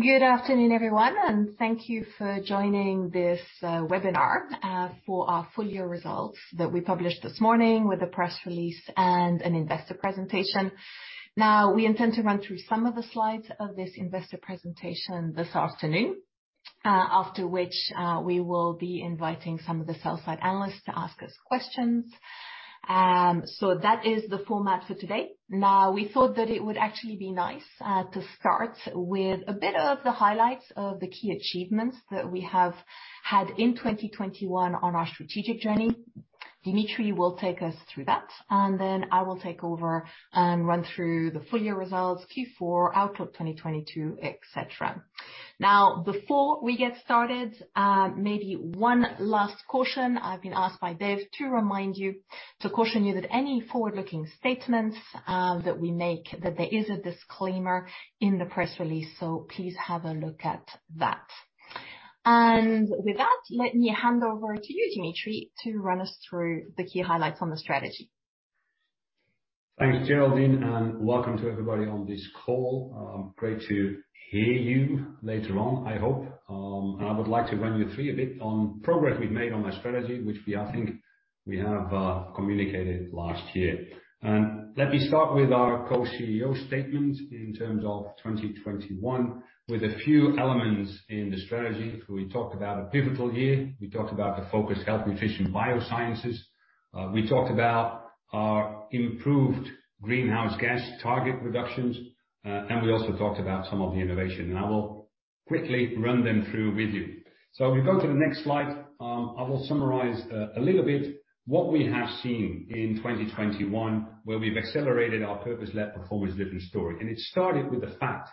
Good afternoon, everyone, and thank you for joining this webinar for our full year results that we published this morning with a press release and an investor presentation. Now, we intend to run through some of the slides of this investor presentation this afternoon, after which, we will be inviting some of the sell side analysts to ask us questions. That is the format for today. Now, we thought that it would actually be nice to start with a bit of the highlights of the key achievements that we have had in 2021 on our strategic journey. Dimitri will take us through that, and then I will take over and run through the full year results, Q4, outlook 2022, et cetera. Now, before we get started, maybe one last caution. I've been asked by Dave to remind you to caution you that any forward-looking statements that we make that there is a disclaimer in the press release. Please have a look at that. With that, let me hand over to you, Dimitri, to run us through the key highlights on the strategy. Thanks, Geraldine, and welcome to everybody on this call. Great to hear you later on, I hope. I would like to run you through a bit on progress we've made on our strategy, which I think we have communicated last year. Let me start with our Co-CEO statement in terms of 2021, with a few elements in the strategy. We talk about a pivotal year. We talk about the focused Health, Nutrition & Bioscience. We talked about our improved greenhouse gas target reductions, and we also talked about some of the innovation. I will quickly run them through with you. If you go to the next slide, I will summarize a little bit what we have seen in 2021, where we've accelerated our purpose-led performance delivery story. It started with the fact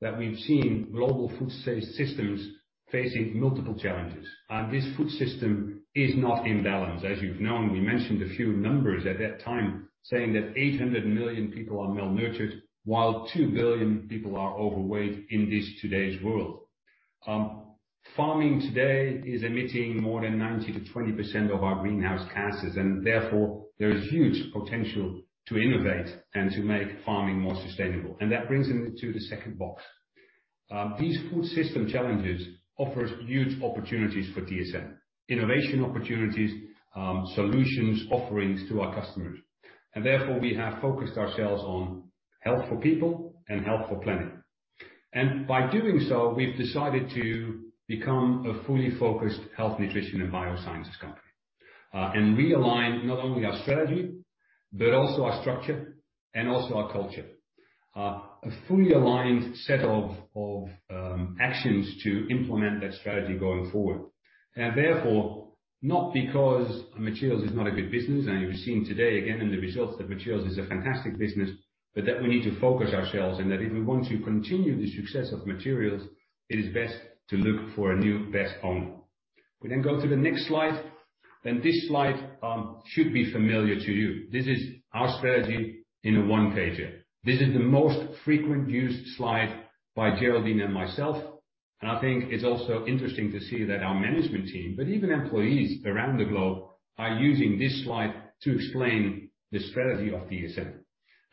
that we've seen global food systems facing multiple challenges. This food system is not in balance. As you've known, we mentioned a few numbers at that time saying that 800 million people are malnourished, while two billion people are overweight in this today's world. Farming today is emitting more than 90%-20% of our greenhouse gases, and therefore, there is huge potential to innovate and to make farming more sustainable. That brings me to the second box. These food system challenges offers huge opportunities for DSM, innovation opportunities, solutions, offerings to our customers. Therefore, we have focused ourselves on health for people and health for planet. By doing so, we've decided to become a fully focused health, nutrition, and bioscience company, and realign not only our strategy, but also our structure and also our culture. A fully aligned set of actions to implement that strategy going forward. Therefore, not because materials is not a good business, and you've seen today, again in the results, that materials is a fantastic business, but that we need to focus ourselves, and that if we want to continue the success of materials, it is best to look for a new best owner. We then go to the next slide, and this slide should be familiar to you. This is our strategy in a one-pager. This is the most frequent used slide by Geraldine and myself, and I think it's also interesting to see that our management team, but even employees around the globe are using this slide to explain the strategy of DSM.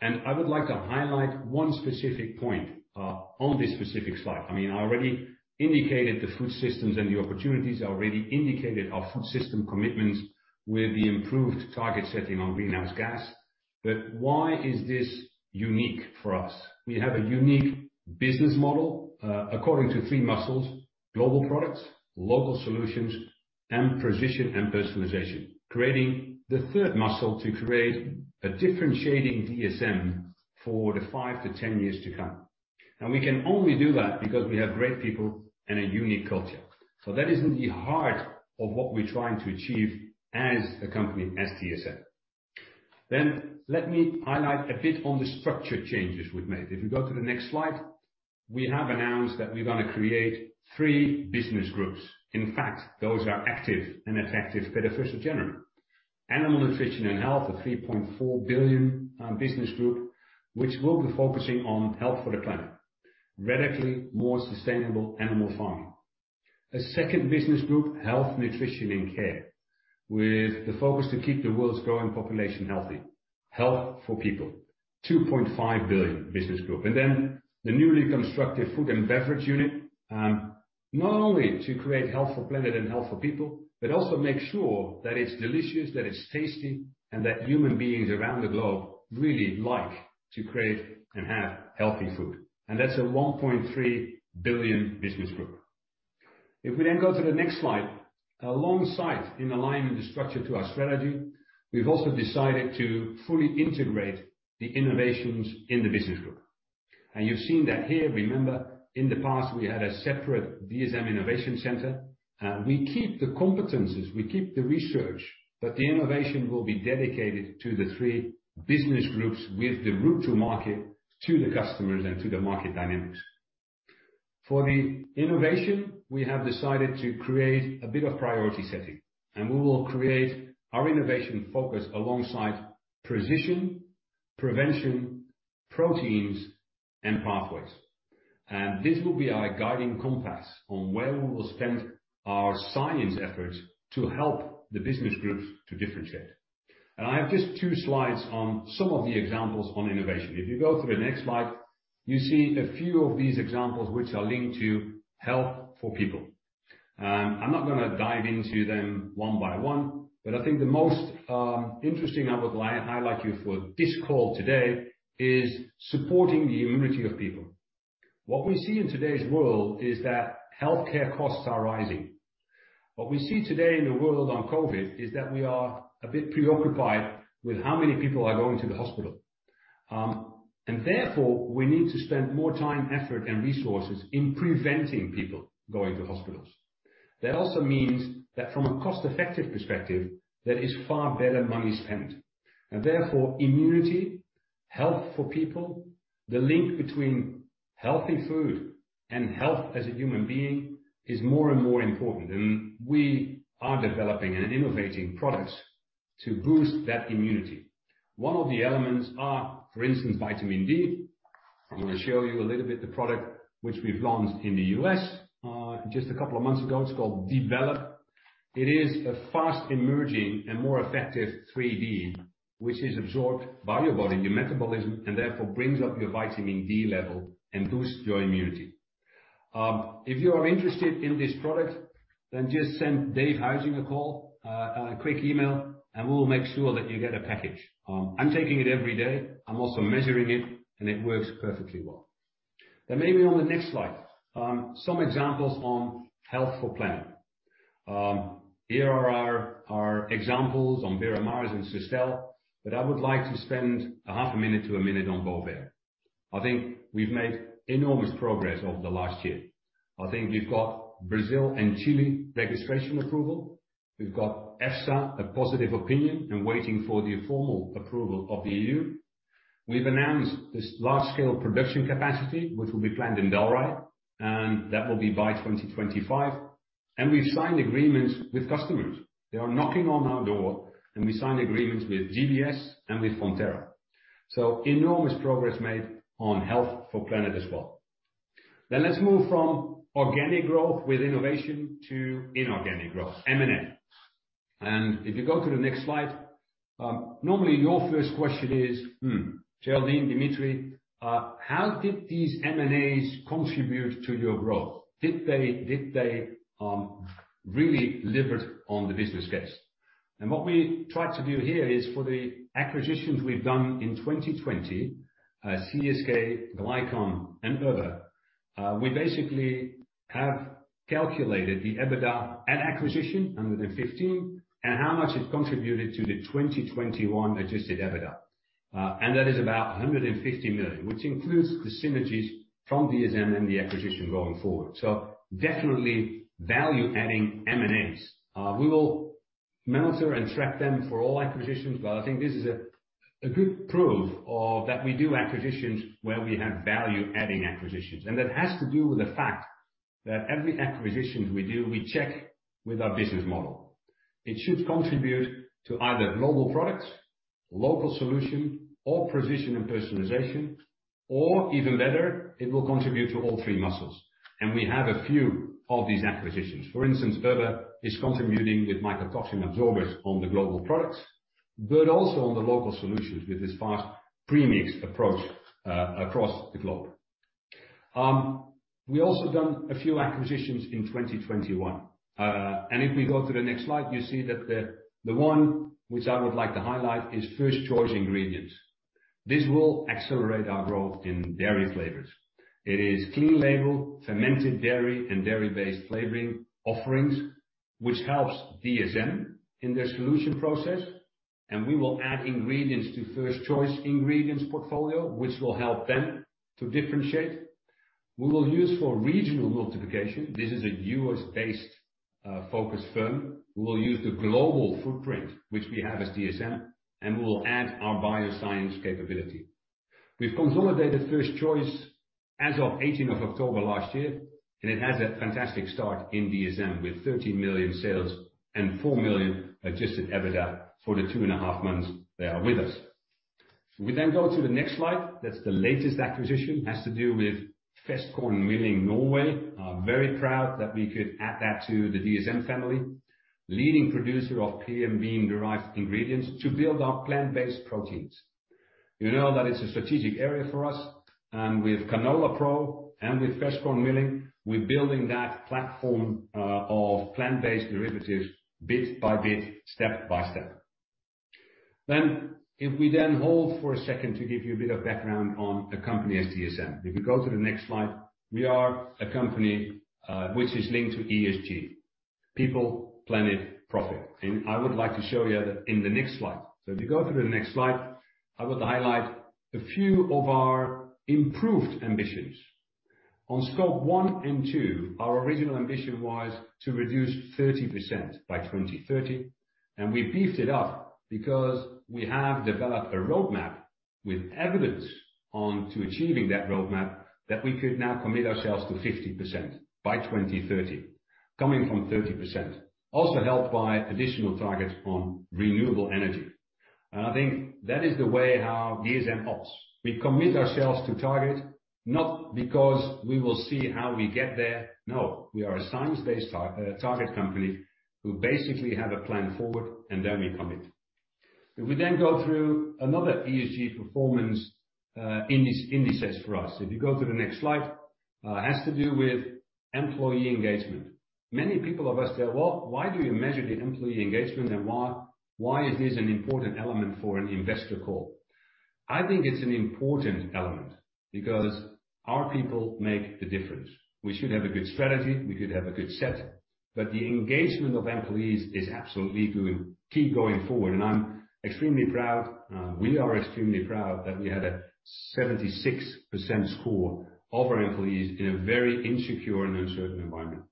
I would like to highlight one specific point on this specific slide. I mean, I already indicated the food systems and the opportunities. I already indicated our food system commitments with the improved target setting on greenhouse gas. Why is this unique for us? We have a unique business model according to three muscles, global products, local solutions, and precision and personalization. Creating the third muscle to create a differentiating DSM for the 5-10 years to come. We can only do that because we have great people and a unique culture. That is in the heart of what we're trying to achieve as a company, as DSM. Let me highlight a bit on the structure changes we've made. If you go to the next slide, we have announced that we're gonna create three business groups. In fact, those are active and effective beneficial general. Animal Nutrition & Health, a 3.4 billion business group which will be focusing on health for the planet, radically more sustainable animal farming. A second business group, Health, Nutrition & Care, with the focus to keep the world's growing population healthy, health for people, 2.5 billion business group. The newly constructed Food & Beverage unit, not only to create health for planet and health for people, but also make sure that it's delicious, that it's tasty, and that human beings around the globe really like to create and have healthy food. That's a 1.3 billion business group. If we then go to the next slide, alongside in alignment the structure to our strategy, we've also decided to fully integrate the innovations in the business group. You've seen that here. Remember, in the past, we had a separate DSM Innovation Center. We keep the competencies, we keep the research, but the innovation will be dedicated to the three business groups with the route to market to the customers and to the market dynamics. For the innovation, we have decided to create a bit of priority setting, and we will create our innovation focus alongside precision, prevention, proteins, and pathways. This will be our guiding compass on where we will spend our science efforts to help the business groups to differentiate. I have just two slides on some of the examples on innovation. If you go to the next slide, you see a few of these examples which are linked to health for people. I'm not gonna dive into them one by one, but I think the most interesting I would highlight for this call today is supporting the immunity of people. What we see in today's world is that healthcare costs are rising. What we see today in the world on COVID is that we are a bit preoccupied with how many people are going to the hospital. Therefore, we need to spend more time, effort, and resources in preventing people going to hospitals. That also means that from a cost-effective perspective, that is far better money spent. Immunity, health for people, the link between healthy food and health as a human being is more and more important. We are developing and innovating products to boost that immunity. One of the elements are, for instance, vitamin D. I'm gonna show you a little bit the product which we've launched in the U.S., just a couple of months ago, it's called d.velop. It is a fast emerging and more effective D3, which is absorbed by your body, your metabolism, and therefore brings up your vitamin D level and boosts your immunity. If you are interested in this product, then just send Dave Huizing a call, a quick email, and we'll make sure that you get a package. I'm taking it every day. I'm also measuring it, and it works perfectly well. Maybe on the next slide, some examples on health for planet. Here are our examples on Veramaris and Sustell, but I would like to spend a half a minute to a minute on Bovaer. I think we've made enormous progress over the last year. I think we've got Brazil and Chile registration approval. We've got EFSA, a positive opinion, and waiting for the formal approval of the EU. We've announced this large-scale production capacity, which will be planned in Dalry, and that will be by 2025. We've signed agreements with customers. They are knocking on our door, and we signed agreements with JBS and with Fonterra. Enormous progress made on health for planet as well. Let's move from organic growth with innovation to inorganic growth, M&A. If you go to the next slide, normally, your first question is, "Hmm, Geraldine, Dimitri, how did these M&As contribute to your growth? Did they really deliver on the business case?" What we try to do here is for the acquisitions we've done in 2020, CSK, Glycom, and Erber. We basically have calculated the EBITDA at acquisition, 115 million, and how much it contributed to the 2021 adjusted EBITDA. That is about 150 million, which includes the synergies from DSM and the acquisition going forward. Definitely value adding M&As. We will monitor and track them for all acquisitions, but I think this is a good proof of that we do acquisitions where we have value adding acquisitions. That has to do with the fact that every acquisitions we do, we check with our business model. It should contribute to either global products, local solution, or precision and personalization, or even better, it will contribute to all three muscles. We have a few of these acquisitions. For instance, Erber is contributing with mycotoxin absorbers on the global products, but also on the local solutions with this fast premix approach, across the globe. We also done a few acquisitions in 2021. If we go to the next slide, you see that the one which I would like to highlight is First Choice Ingredients. This will accelerate our growth in dairy flavors. It is clean label, fermented dairy, and dairy-based flavoring offerings, which helps DSM in their solution process. We will add ingredients to First Choice Ingredients portfolio, which will help them to differentiate. We will use for regional multiplication. This is a U.S.-based, focus firm. We will use the global footprint, which we have as DSM, and we will add our bioscience capability. We've consolidated First Choice as of 18th of October last year, and it has a fantastic start in DSM with 30 million sales and 4 million adjusted EBITDA for the two and a half months they are with us. We go to the next slide. That's the latest acquisition. It has to do with Vestkorn Milling, Norway. I'm very proud that we could add that to the DSM family, a leading producer of pea and bean-derived ingredients to build our plant-based proteins. You know that it's a strategic area for us, and with CanolaPRO and with Vestkorn Milling, we're building that platform of plant-based derivatives bit by bit, step by step. If we hold for a second to give you a bit of background on the company as DSM. If you go to the next slide, we are a company which is linked to ESG, people, planet, profit. I would like to show you that in the next slide. If you go to the next slide, I would highlight a few of our improved ambitions. On scope one and two, our original ambition was to reduce 30% by 2030, and we beefed it up because we have developed a roadmap with evidence on to achieving that roadmap that we could now commit ourselves to 50% by 2030, coming from 30%. Helped by additional targets on renewable energy. I think that is the way how DSM ops. We commit ourselves to targets. Not because we will see how we get there. No, we are a science-based target company who basically have a plan forward and then we commit. If we then go through another ESG performance index, indices for us. If you go to the next slide, it has to do with employee engagement. Many people have asked that, "Well, why do you measure the employee engagement and why is this an important element for an investor call?" I think it's an important element because our people make the difference. We should have a good strategy, we could have a good set, but the engagement of employees is absolutely good key going forward, and I'm extremely proud, we are extremely proud that we had a 76% score of our employees in a very insecure and uncertain environment.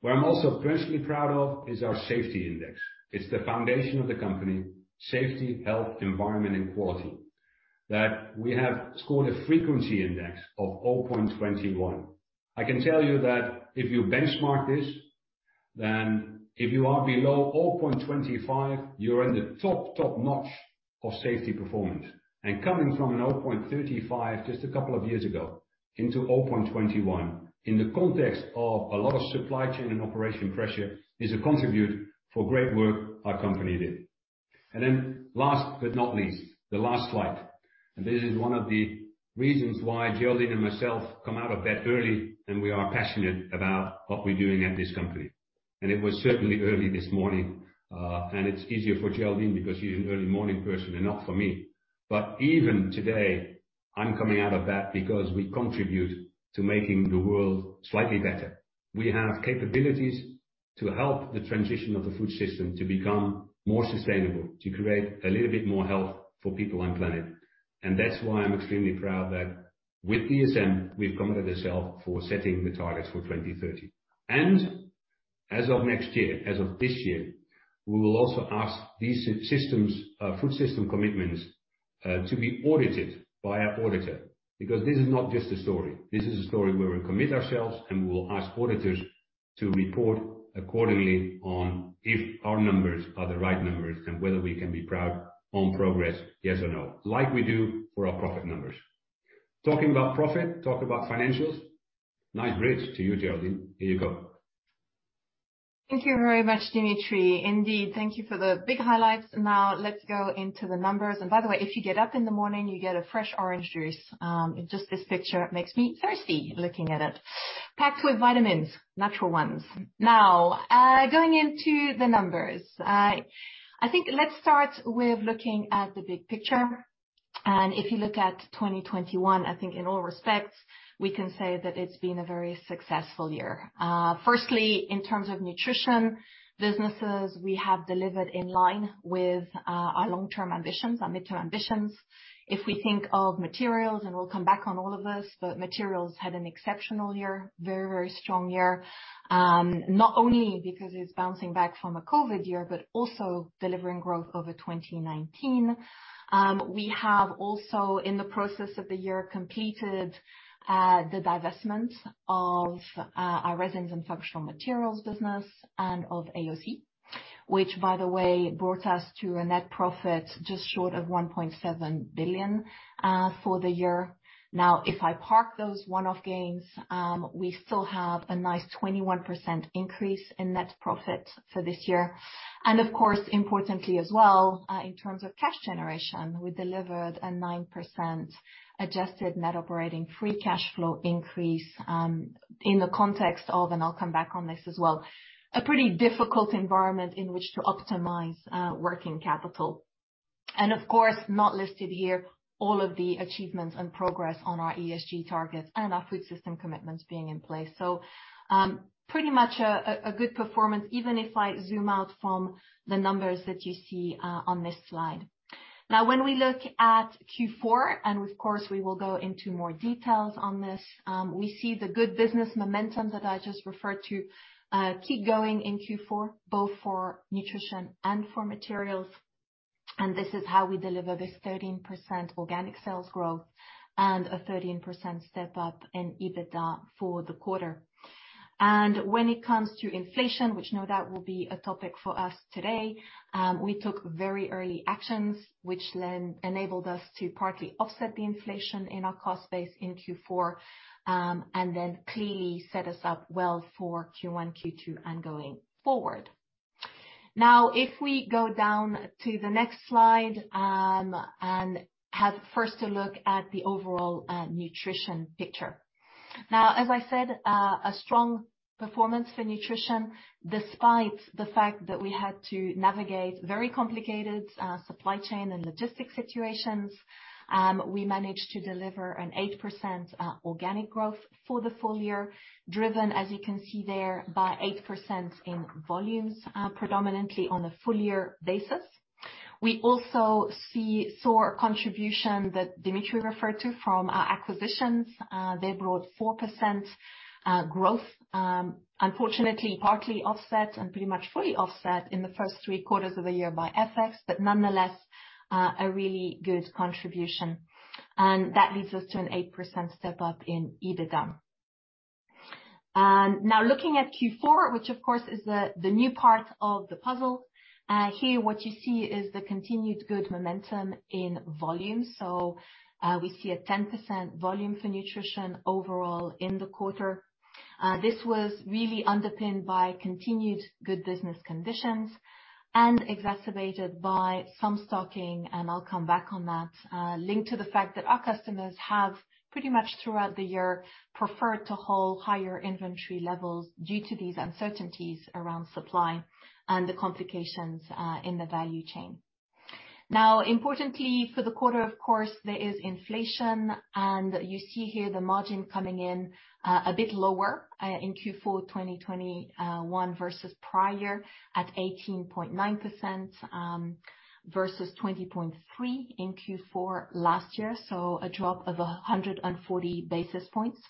What I'm also personally proud of is our safety index. It's the foundation of the company, safety, health, environment, and quality that we have scored a frequency index of 0.21. I can tell you that if you benchmark this, then if you are below 0.25, you're in the top notch of safety performance. Coming from 0.35 just a couple of years ago into 0.21 in the context of a lot of supply chain and operational pressure is a tribute to great work our company did. Then last but not least, the last slide. This is one of the reasons why Geraldine and myself come out of bed early, and we are passionate about what we're doing at this company. It was certainly early this morning, and it's easier for Geraldine because she's an early morning person and not for me. Even today, I'm coming out of bed because we contribute to making the world slightly better. We have capabilities to help the transition of the food system to become more sustainable, to create a little bit more health for people and planet. That's why I'm extremely proud that with DSM, we've committed ourselves for setting the targets for 2030. As of next year, as of this year, we will also ask these systems, food system commitments, to be audited by our auditor, because this is not just a story. This is a story where we commit ourselves, and we will ask auditors to report accordingly on if our numbers are the right numbers and whether we can be proud on progress, yes or no, like we do for our profit numbers. Talking about profit, talk about financials. Nice bridge to you, Geraldine. Here you go. Thank you very much, Dimitri. Indeed, thank you for the big highlights. Now let's go into the numbers. By the way, if you get up in the morning, you get a fresh orange juice. Just this picture makes me thirsty looking at it. Packed with vitamins, natural ones. Now, going into the numbers. I think let's start with looking at the big picture. If you look at 2021, I think in all respects, we can say that it's been a very successful year. Firstly, in terms of nutrition businesses, we have delivered in line with our long-term ambitions, our midterm ambitions. If we think of materials, and we'll come back on all of this, but materials had an exceptional year. Very, very strong year. Not only because it's bouncing back from a COVID year, but also delivering growth over 2019. We have also, in the process of the year, completed the divestment of our Resins & Functional Materials business and of AOC, which by the way, brought us to a net profit just short of 1.7 billion for the year. Now, if I park those one-off gains, we still have a nice 21% increase in net profit for this year. Of course, importantly as well, in terms of cash generation, we delivered a 9% adjusted net operating free cash flow increase, in the context of, and I'll come back on this as well, a pretty difficult environment in which to optimize working capital. Of course, not listed here, all of the achievements and progress on our ESG targets and our food system commitments being in place. Pretty much a good performance, even if I zoom out from the numbers that you see on this slide. Now when we look at Q4, and of course we will go into more details on this, we see the good business momentum that I just referred to keep going in Q4, both for nutrition and for materials. This is how we deliver this 13% organic sales growth and a 13% step up in EBITDA for the quarter. When it comes to inflation, which no doubt will be a topic for us today, we took very early actions which then enabled us to partly offset the inflation in our cost base in Q4, and then clearly set us up well for Q1, Q2, and going forward. Now if we go down to the next slide, and have first a look at the overall nutrition picture. Now, as I said, a strong performance for nutrition, despite the fact that we had to navigate very complicated supply chain and logistics situations, we managed to deliver an 8% organic growth for the full year, driven, as you can see there, by 8% in volumes, predominantly on a full year basis. We also see strong contribution that Dimitri referred to from our acquisitions. They brought 4% growth, unfortunately, partly offset and pretty much fully offset in the first three quarters of the year by FX, but nonetheless, a really good contribution. That leads us to an 8% step-up in EBITDA. Now looking at Q4 which of course is the new part of the puzzle, here what you see is the continued good momentum in volume. We see a 10% volume for nutrition overall in the quarter. This was really underpinned by continued good business conditions and exacerbated by some stocking, and I'll come back on that, linked to the fact that our customers have pretty much throughout the year preferred to hold higher inventory levels due to these uncertainties around supply and the complications in the value chain. Now, importantly, for the quarter, of course, there is inflation, and you see here the margin coming in a bit lower in Q4 2021 versus prior at 18.9% versus 20.3% in Q4 last year, so a drop of 140 basis points.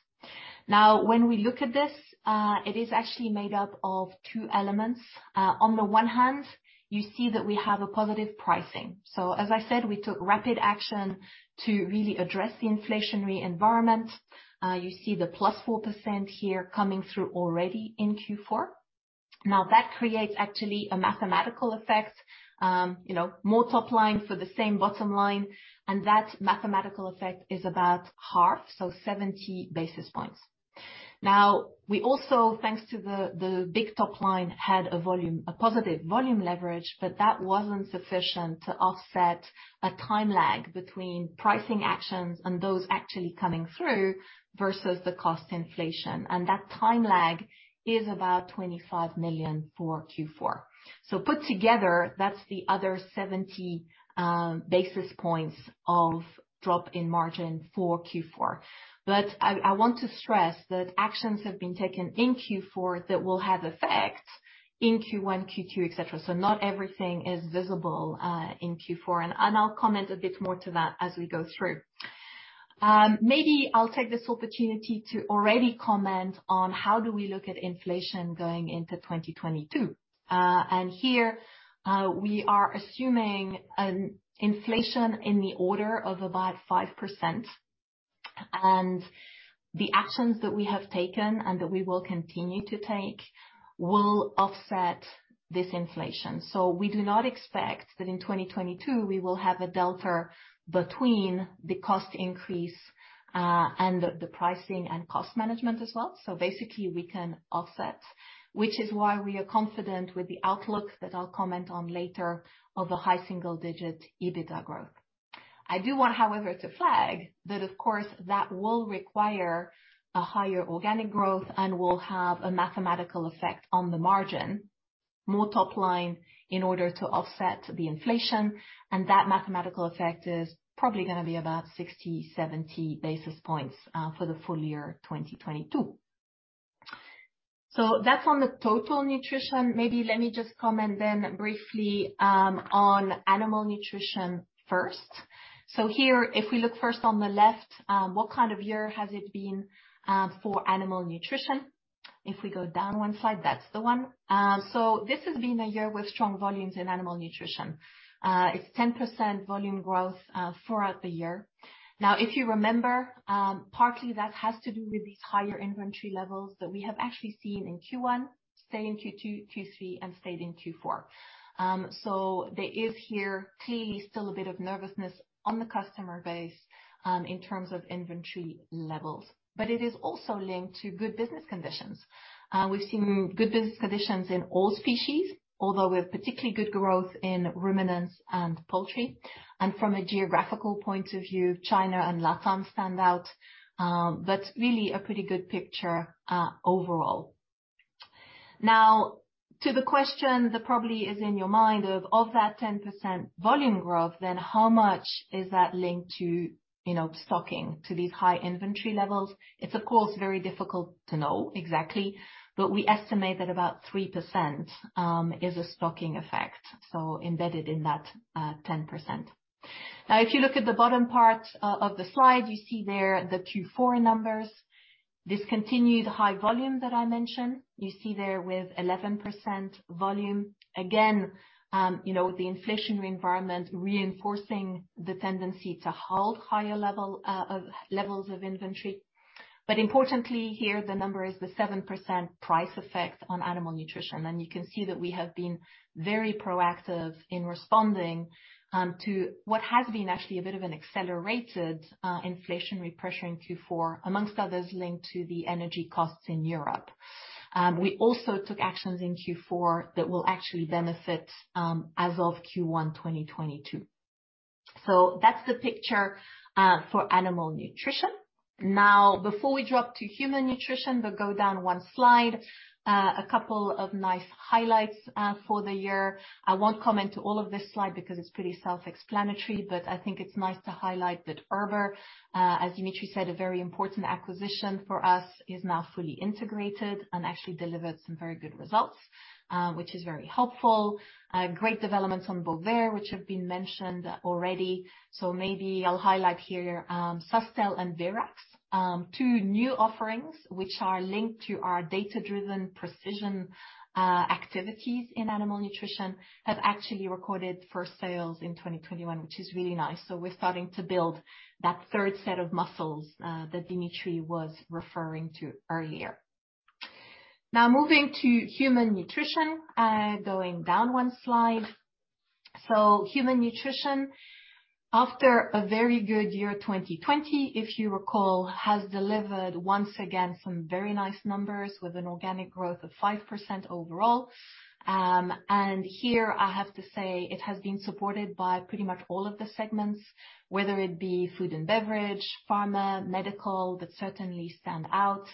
Now, when we look at this, it is actually made up of two elements. On the one hand, you see that we have a positive pricing. So as I said, we took rapid action to really address the inflationary environment. You see the +4% here coming through already in Q4. Now, that creates actually a mathematical effect, you know, more top line for the same bottom line, and that mathematical effect is about half, so 70 basis points. Now, we also, thanks to the big top line, had a positive volume leverage, but that wasn't sufficient to offset a time lag between pricing actions and those actually coming through versus the cost inflation. That time lag is about 25 million for Q4. Put together, that's the other 70 basis points of drop in margin for Q4. I want to stress that actions have been taken in Q4 that will have effect in Q1, Q2, et cetera. Not everything is visible in Q4, and I'll comment a bit more to that as we go through. Maybe I'll take this opportunity to already comment on how we look at inflation going into 2022. Here, we are assuming an inflation in the order of about 5%. The actions that we have taken and that we will continue to take will offset this inflation. We do not expect that in 2022 we will have a delta between the cost increase and the pricing and cost management as well. Basically, we can offset, which is why we are confident with the outlook that I'll comment on later of a high single-digit EBITDA growth. I do want, however, to flag that of course, that will require a higher organic growth and will have a mathematical effect on the margin, more top line in order to offset the inflation. That mathematical effect is probably gonna be about 60-70 basis points for the full year 2022. That's on the total nutrition. Maybe let me just comment then briefly on animal nutrition first. Here, if we look first on the left, what kind of year has it been for animal nutrition? If we go down one slide, that's the one. This has been a year with strong volumes in animal nutrition. It's 10% volume growth throughout the year. Now, if you remember, partly that has to do with these higher inventory levels that we have actually seen in Q1, stayed in Q2, Q3, and stayed in Q4. There is here clearly still a bit of nervousness on the customer base, in terms of inventory levels. It is also linked to good business conditions. We've seen good business conditions in all species, although with particularly good growth in ruminants and poultry. From a geographical point of view, China and LatAm stand out. Really a pretty good picture overall. Now, to the question that probably is in your mind of that 10% volume growth, then how much is that linked to, you know, stocking, to these high inventory levels? It's of course very difficult to know exactly, but we estimate that about 3% is a stocking effect, so embedded in that 10%. Now, if you look at the bottom part of the slide, you see there the Q4 numbers. This continued high volume that I mentioned, you see there with 11% volume. Again, you know, the inflationary environment reinforcing the tendency to hold higher levels of inventory. Importantly here, the number is the 7% price effect on animal nutrition. You can see that we have been very proactive in responding to what has been actually a bit of an accelerated inflationary pressure in Q4, among others linked to the energy costs in Europe. We also took actions in Q4 that will actually benefit as of Q1 2022. That's the picture for animal nutrition. Now, before we drop to human nutrition, we go down one slide, a couple of nice highlights for the year. I won't comment on all of this slide because it's pretty self-explanatory, but I think it's nice to highlight that Erber, as Dimitri said, a very important acquisition for us, is now fully integrated and actually delivered some very good results, which is very helpful. Great developments on Bovaer, which have been mentioned already. Maybe I'll highlight here, Sustell and Verax, two new offerings which are linked to our data-driven precision activities in animal nutrition, have actually recorded first sales in 2021, which is really nice. We're starting to build that third set of muscles, that Dimitri was referring to earlier. Now moving to human nutrition, going down one slide. Human nutrition, after a very good year, 2020, if you recall, has delivered once again some very nice numbers with an organic growth of 5% overall. And here I have to say it has been supported by pretty much all of the segments, whether it be Food and Beverage, Pharma, Medical, that certainly stand out.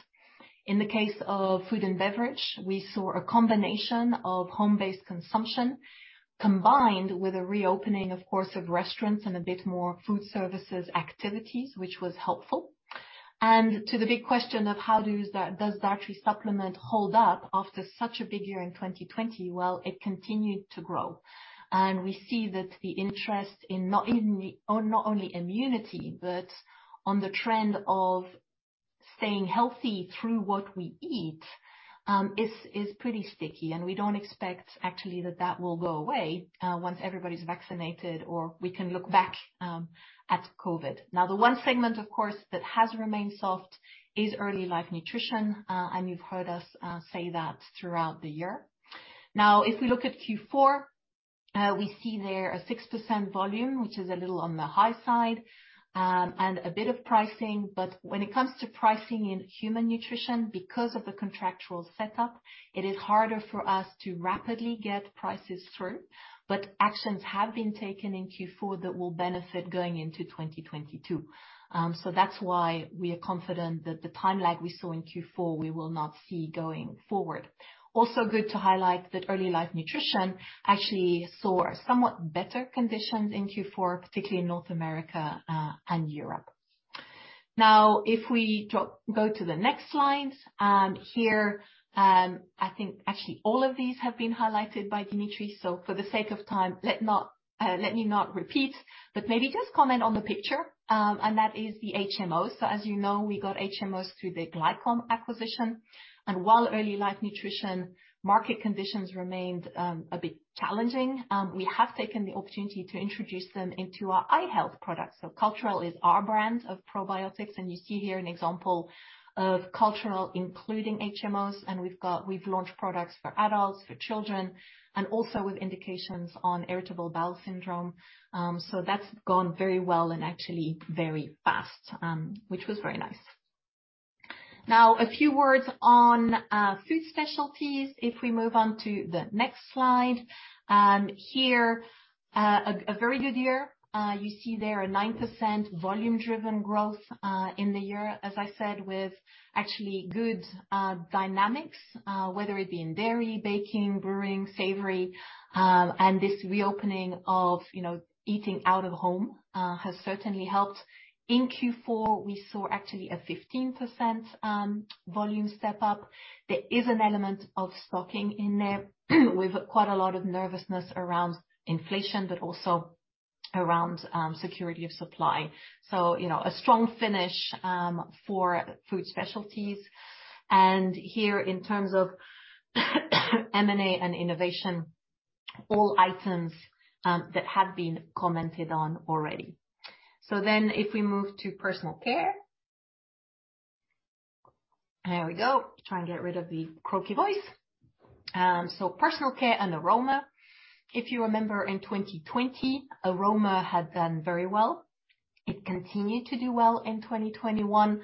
In the case of Food & Beverage, we saw a combination of home-based consumption combined with a reopening, of course, of restaurants and a bit more food service activities, which was helpful. To the big question of how does dietary supplement hold up after such a big year in 2020? Well, it continued to grow. We see that the interest in not only immunity, but on the trend of staying healthy through what we eat, is pretty sticky. We don't expect actually that will go away, once everybody's vaccinated or we can look back at COVID. Now, the one segment of course, that has remained soft is Early Life Nutrition, and you've heard us say that throughout the year. Now, if we look at Q4, we see there a 6% volume, which is a little on the high side, and a bit of pricing. When it comes to pricing in human nutrition, because of the contractual setup, it is harder for us to rapidly get prices through. Actions have been taken in Q4 that will benefit going into 2022. That's why we are confident that the time lag we saw in Q4 we will not see going forward. Also good to highlight that early life nutrition actually saw somewhat better conditions in Q4, particularly in North America, and Europe. Now, if we go to the next slide, here, I think actually all of these have been highlighted by Dimitri. For the sake of time, let me not repeat, but maybe just comment on the picture. That is the HMOs. As you know, we got HMOs through the Glycom acquisition. While early life nutrition market conditions remained a bit challenging, we have taken the opportunity to introduce them into our i-Health products. Culturelle is our brand of probiotics, and you see here an example of Culturelle including HMOs. We've launched products for adults, for children, and also with indications on irritable bowel syndrome. That's gone very well and actually very fast, which was very nice. Now, a few words on Food Specialties if we move on to the next slide. Here, a very good year. You see there a 9% volume-driven growth in the year, as I said, with actually good dynamics, whether it be in dairy, baking, brewing, savory, and this reopening of, you know, eating out of home, has certainly helped. In Q4, we saw actually a 15% volume step up. There is an element of stocking in there with quite a lot of nervousness around inflation, but also around security of supply. You know, a strong finish for Food Specialties. Here in terms of M&A and innovation, all items that have been commented on already. If we move to personal care. There we go. Try and get rid of the croaky voice. Personal Care and Aroma. If you remember in 2020, Aroma had done very well. It continued to do well in 2021.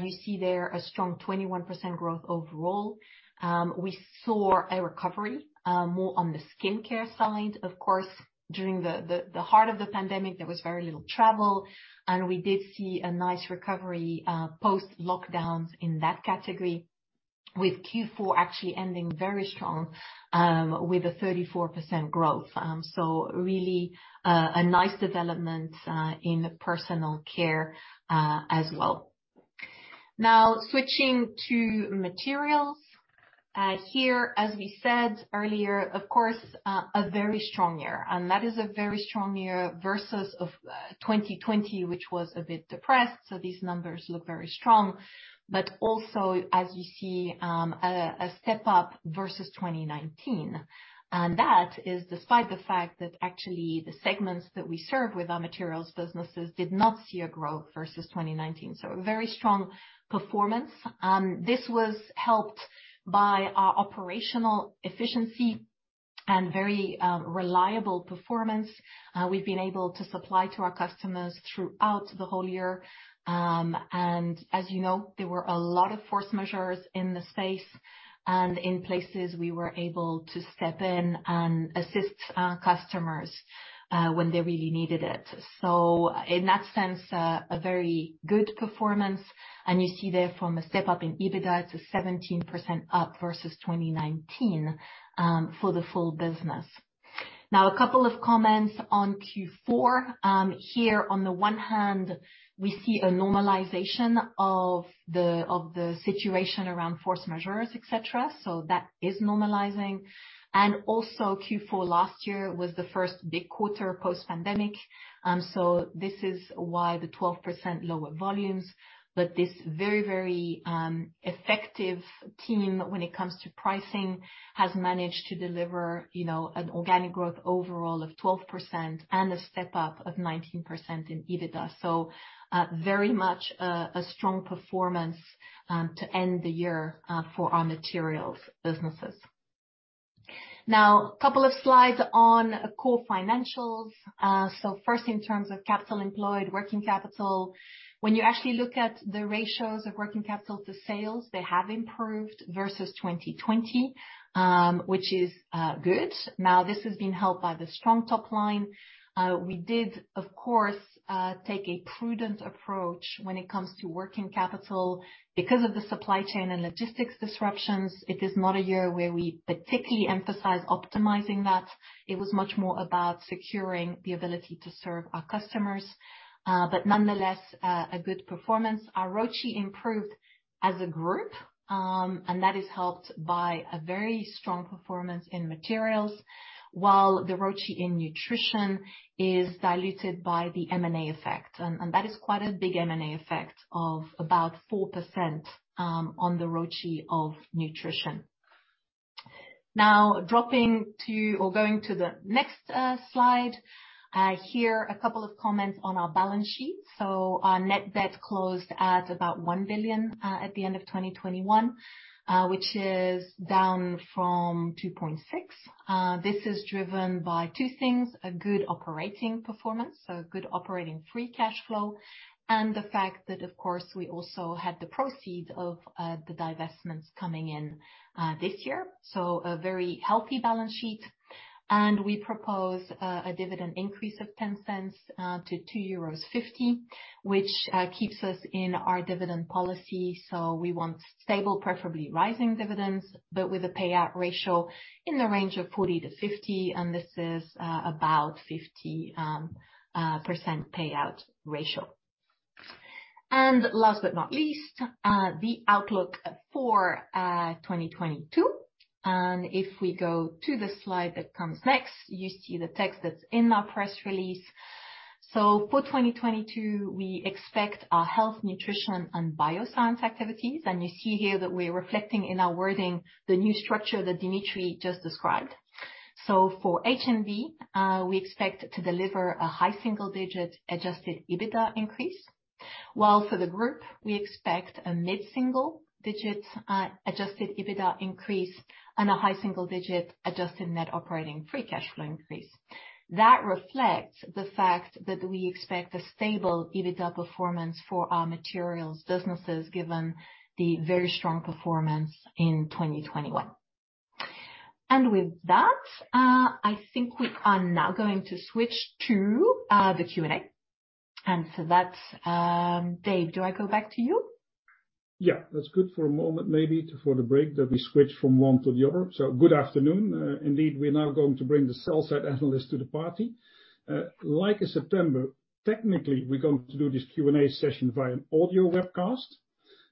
You see there a strong 21% growth overall. We saw a recovery, more on the skincare side. Of course, during the heart of the pandemic, there was very little travel, and we did see a nice recovery post-lockdowns in that category, with Q4 actually ending very strong, with a 34% growth. Really, a nice development in personal care as well. Now, switching to materials. Here, as we said earlier, of course, a very strong year, and that is a very strong year versus 2020, which was a bit depressed. These numbers look very strong. Also, as you see, a step up versus 2019. That is despite the fact that actually the segments that we serve with our materials businesses did not see a growth versus 2019. A very strong performance. This was helped by our operational efficiency and very reliable performance. We've been able to supply to our customers throughout the whole year. And as you know, there were a lot of force majeures in the space, and in places we were able to step in and assist our customers when they really needed it. In that sense, a very good performance. You see there from a step-up in EBITDA to 17% up versus 2019 for the full business. Now, a couple of comments on Q4. Here on the one hand, we see a normalization of the situation around force majeures, et cetera. That is normalizing. Also Q4 last year was the first big quarter post-pandemic. This is why the 12% lower volumes, but this very effective team when it comes to pricing has managed to deliver, you know, an organic growth overall of 12% and a step-up of 19% in EBITDA. Very much a strong performance to end the year for our materials businesses. Now, couple of slides on core financials. First in terms of capital employed, working capital. When you actually look at the ratios of working capital to sales, they have improved versus 2020, which is good. Now, this has been helped by the strong top line. We did, of course, take a prudent approach when it comes to working capital. Because of the supply chain and logistics disruptions, it is not a year where we particularly emphasize optimizing that. It was much more about securing the ability to serve our customers. Nonetheless, a good performance. Our ROCE improved as a group, and that is helped by a very strong performance in materials while the ROCE in nutrition is diluted by the M&A effect. That is quite a big M&A effect of about 4% on the ROCE of nutrition. Now, dropping to or going to the next slide. Here, a couple of comments on our balance sheet. Our net debt closed at about 1 billion at the end of 2021, which is down from 2.6 billion. This is driven by two things, a good operating performance, so good operating free cash flow, and the fact that, of course, we also had the proceeds of the divestments coming in this year. A very healthy balance sheet. We propose a dividend increase of 0.10 to 2.50 euros, which keeps us in our dividend policy. We want stable, preferably rising dividends, but with a payout ratio in the range of 40%-50%, and this is about 50% payout ratio. Last but not least, the outlook for 2022. If we go to the slide that comes next, you see the text that's in our press release. For 2022, we expect our health, nutrition, and bioscience activities. You see here that we're reflecting in our wording the new structure that Dimitri just described. For HNC, we expect to deliver a high single-digit adjusted EBITDA increase. While for the group, we expect a mid-single-digit adjusted EBITDA increase and a high single-digit adjusted net operating free cash flow increase. That reflects the fact that we expect a stable EBITDA performance for our materials businesses, given the very strong performance in 2021. With that, I think we are now going to switch to the Q&A. That's Dave, do I go back to you? Yeah. That's good for a moment, maybe for the break that we switch from one to the other. Good afternoon. Indeed, we are now going to bring the sell-side analyst to the party. Like in September, technically, we're going to do this Q&A session via an audio webcast.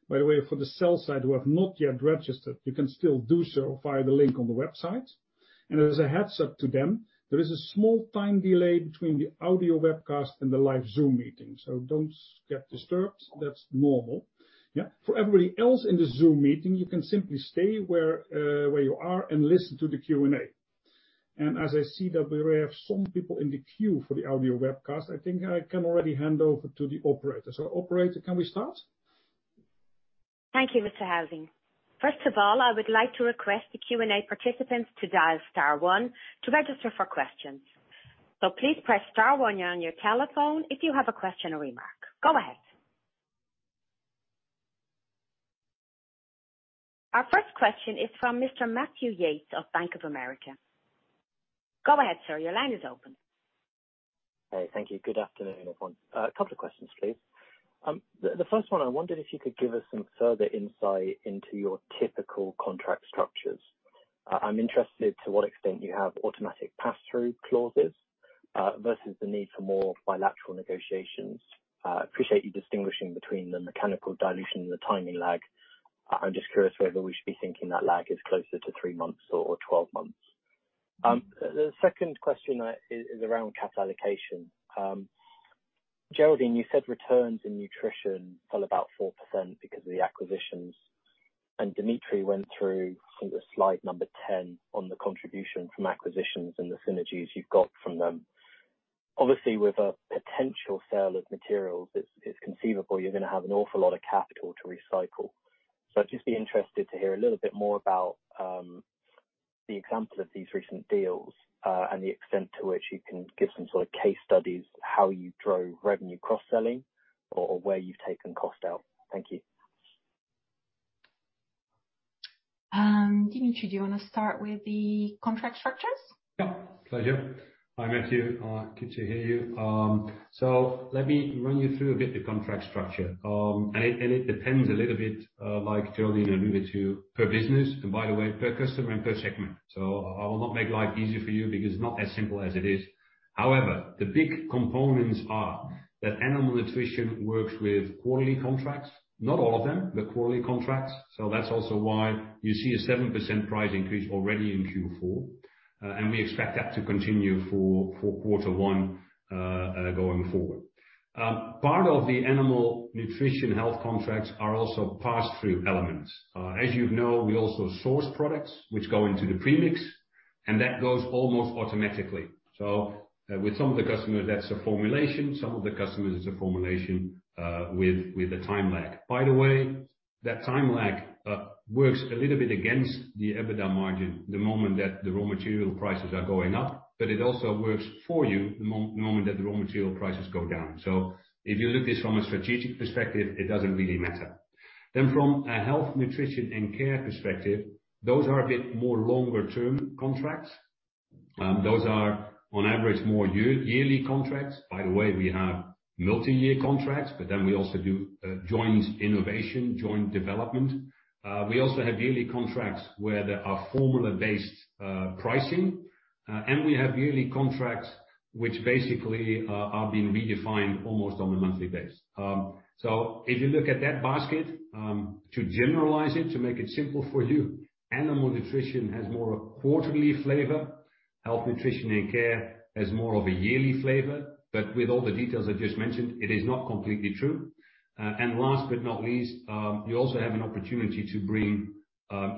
By the way, for the sell-side who have not yet registered, you can still do so via the link on the website. As a heads-up to them, there is a small time delay between the audio webcast and the live Zoom meeting. Don't get disturbed. That's normal. Yeah. For everybody else in the Zoom meeting, you can simply stay where you are and listen to the Q&A. As I see that we have some people in the queue for the audio webcast, I think I can already hand over to the operator. Operator, can we start? Thank you, Mr. Huizing. First of all, I would like to request the Q&A participants to dial star one to register for questions. Please press star one on your telephone if you have a question or remark. Go ahead. Our first question is from Mr. Matthew Yates of Bank of America. Go ahead, sir. Your line is open. Hey, thank you. Good afternoon, everyone. A couple of questions, please. The first one, I wondered if you could give us some further insight into your typical contract structures. I'm interested to what extent you have automatic pass-through clauses, versus the need for more bilateral negotiations. Appreciate you distinguishing between the mechanical dilution and the timing lag. I'm just curious whether we should be thinking that lag is closer to three months or 12 months. The second question is around capital allocation. Geraldine, you said returns in nutrition fell about 4% because of the acquisitions. Dimitri went through sort of slide number 10 on the contribution from acquisitions and the synergies you've got from them. Obviously, with a potential sale of materials, it's conceivable you're gonna have an awful lot of capital to recycle. I'd just be interested to hear a little bit more about the example of these recent deals and the extent to which you can give some sort of case studies, how you drove revenue cross-selling or where you've taken cost out. Thank you. Dimitri, do you wanna start with the contract structures? Pleasure. Hi, Matthew. Good to hear you. Let me run you through a bit the contract structure. It depends a little bit, like Geraldine alluded to, per business, and by the way, per customer and per segment. I will not make life easier for you because it's not as simple as it is. However, the big components are that Animal Nutrition & Health works with quarterly contracts. Not all of them, but quarterly contracts. That's also why you see a 7% price increase already in Q4. We expect that to continue for quarter one going forward. Part of the Animal Nutrition & Health contracts are also pass-through elements. As you know, we also source products which go into the premix, and that goes almost automatically. With some of the customers, that's a formulation. Some of the customers, it's a formulation with a time lag. By the way, that time lag works a little bit against the EBITDA margin the moment that the raw material prices are going up, but it also works for you the moment that the raw material prices go down. If you look at this from a strategic perspective, it doesn't really matter. From a Health, Nutrition, and Care perspective, those are a bit more longer-term contracts. Those are on average more yearly contracts. By the way, we have multi-year contracts, but then we also do joint innovation, joint development. We also have yearly contracts where there are formula-based pricing, and we have yearly contracts which basically are being redefined almost on a monthly basis. If you look at that basket, to generalize it, to make it simple for you, animal nutrition has more a quarterly flavor. Health, nutrition, and care has more of a yearly flavor, but with all the details I just mentioned, it is not completely true. Last but not least, you also have an opportunity to bring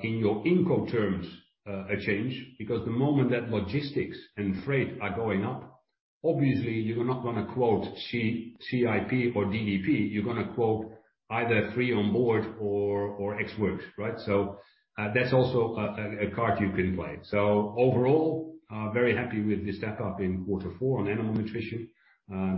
in your incoterms a change because the moment that logistics and freight are going up, obviously you're not gonna quote CIP or DDP. You're gonna quote either free on board or ex works, right? That's also a card you can play. Overall, very happy with the step-up in quarter four on animal nutrition.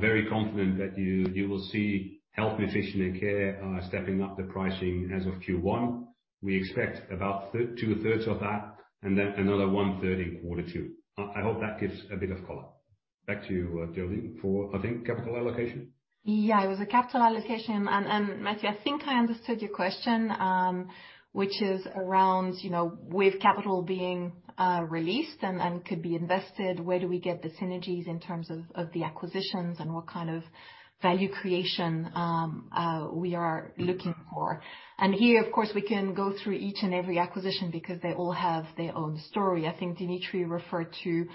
Very confident that you will see health, nutrition, and care stepping up the pricing as of Q1. We expect about 2/3 of that and then another 1/3 in quarter two. I hope that gives a bit of color. Back to you, Geraldine, for, I think, capital allocation. Yeah, it was a capital allocation. Matthew, I think I understood your question, which is around, you know, with capital being released and could be invested, where do we get the synergies in terms of the acquisitions and what kind of value creation we are looking for. Here, of course, we can go through each and every acquisition because they all have their own story. I think Dimitri referred to,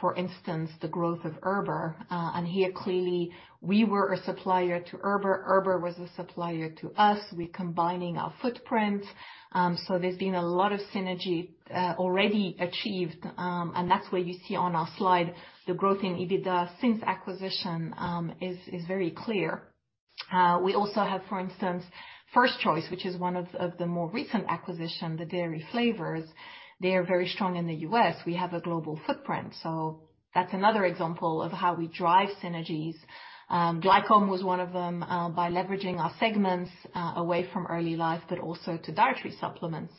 for instance, the growth of Erber. Here, clearly, we were a supplier to Erber. Erber was a supplier to us. We're combining our footprints. There's been a lot of synergy already achieved, and that's where you see on our slide the growth in EBITDA since acquisition is very clear. We also have, for instance, First Choice, which is one of the more recent acquisition, the dairy flavors. They are very strong in the U.S. We have a global footprint. That's another example of how we drive synergies. Glycom was one of them, by leveraging our segments, away from early life, but also to dietary supplements.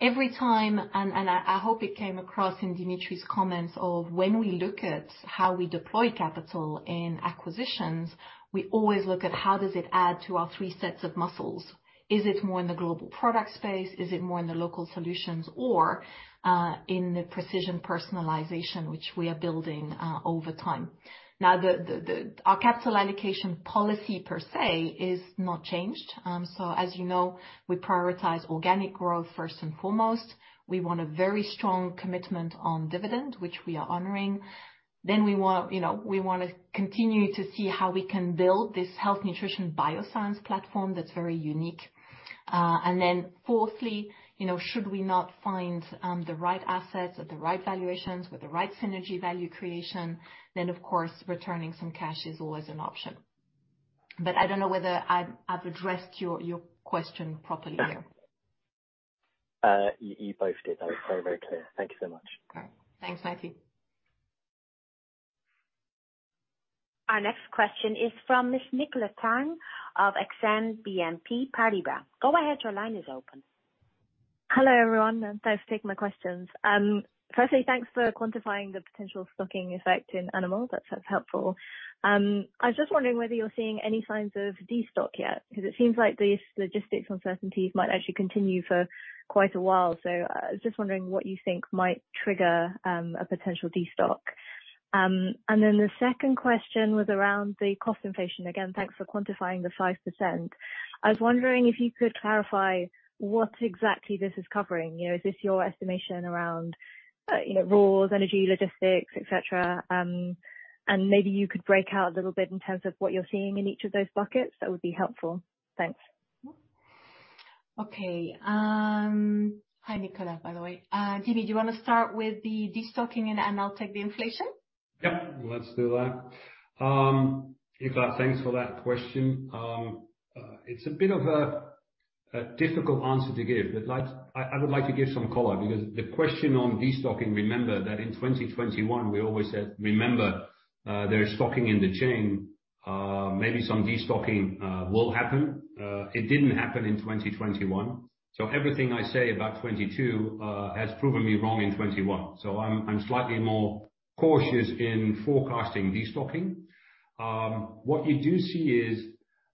Every time, and I hope it came across in Dimitri's comments of when we look at how we deploy capital in acquisitions, we always look at how does it add to our three sets of muscles. Is it more in the global product space? Is it more in the local solutions or in the precision personalization, which we are building over time. Now our capital allocation policy per se is not changed. As you know, we prioritize organic growth first and foremost. We want a very strong commitment on dividend, which we are honoring. We want, you know, we wanna continue to see how we can build this Health, Nutrition & Bioscience platform that's very unique. Fourthly, you know, should we not find the right assets at the right valuations with the right synergy value creation, then of course, returning some cash is always an option. I don't know whether I've addressed your question properly. You both did. That was very, very clear. Thank you so much. Okay. Thanks, Matthew. Our next question is from Miss Nicola Tang of Exane BNP Paribas. Go ahead, your line is open. Hello, everyone, and thanks for taking my questions. Firstly, thanks for quantifying the potential stocking effect in animal. That's helpful. I was just wondering whether you're seeing any signs of destock yet, because it seems like these logistics uncertainties might actually continue for quite a while. I was just wondering what you think might trigger a potential destock. The second question was around the cost inflation. Again, thanks for quantifying the 5%. I was wondering if you could clarify what exactly this is covering. You know, is this your estimation around, you know, raws, energy, logistics, et cetera? Maybe you could break out a little bit in terms of what you're seeing in each of those buckets. That would be helpful. Thanks. Okay. Hi, Nicola, by the way. Dimitri, do you wanna start with the destocking, and I'll take the inflation? Yep, let's do that. Nicola, thanks for that question. It's a bit of a difficult answer to give, but like I would like to give some color because the question on destocking. Remember that in 2021 we always said there is stocking in the chain, maybe some destocking will happen. It didn't happen in 2021, so everything I say about 2022 has proven me wrong in 2021. So I'm slightly more cautious in forecasting destocking. What you do see is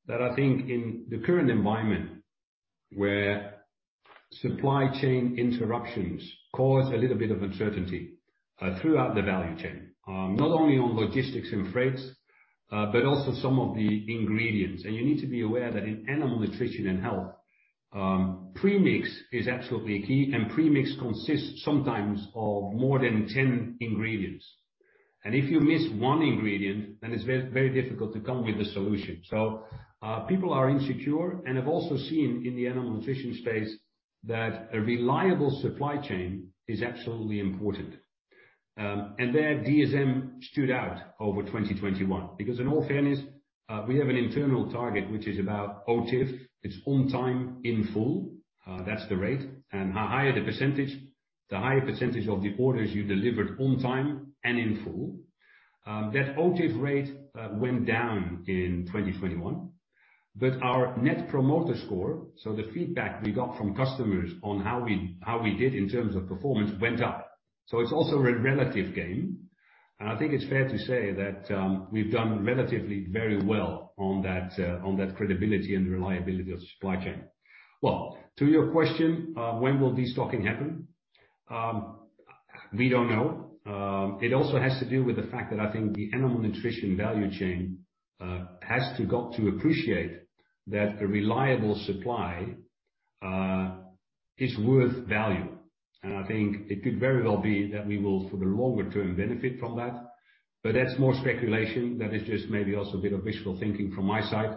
that I think in the current environment where supply chain interruptions cause a little bit of uncertainty throughout the value chain, not only on logistics and freights, but also some of the ingredients. You need to be aware that in Animal Nutrition & Health, premix is absolutely key, and premix consists sometimes of more than 10 ingredients. If you miss one ingredient, then it's very, very difficult to come with a solution. People are insecure, and have also seen in the animal nutrition space that a reliable supply chain is absolutely important. DSM stood out over 2021 because in all fairness, we have an internal target, which is about OTIF. It's On Time In Full, that's the rate. The higher the percentage, the higher percentage of the orders you delivered on time and in full. That OTIF rate went down in 2021, but our net promoter score, so the feedback we got from customers on how we did in terms of performance went up. It's also a relative game. I think it's fair to say that we've done relatively very well on that, on that credibility and reliability of supply chain. To your question, when will destocking happen? We don't know. It also has to do with the fact that I think the animal nutrition value chain got to appreciate that a reliable supply is worth value. I think it could very well be that we will, for the longer term benefit from that. That's more speculation, that is just maybe also a bit of visual thinking from my side.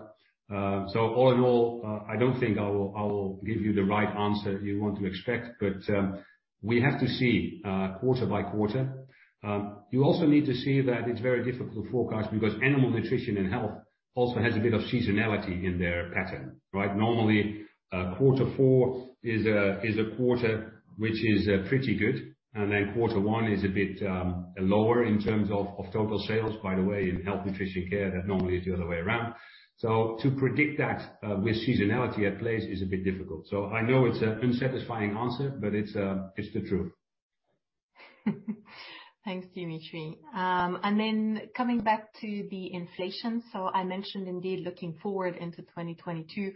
All in all, I don't think I will give you the right answer you want to expect, but we have to see quarter by quarter. You also need to see that it's very difficult to forecast because Animal Nutrition & Health also has a bit of seasonality in their pattern, right? Normally, quarter four is a quarter which is pretty good. Quarter one is a bit lower in terms of total sales, by the way, in Health, Nutrition & Care that normally is the other way around. To predict that with seasonality at play is a bit difficult. I know it's an unsatisfying answer, but it's the truth. Thanks, Dimitri. Coming back to the inflation. I mentioned indeed looking forward into 2022,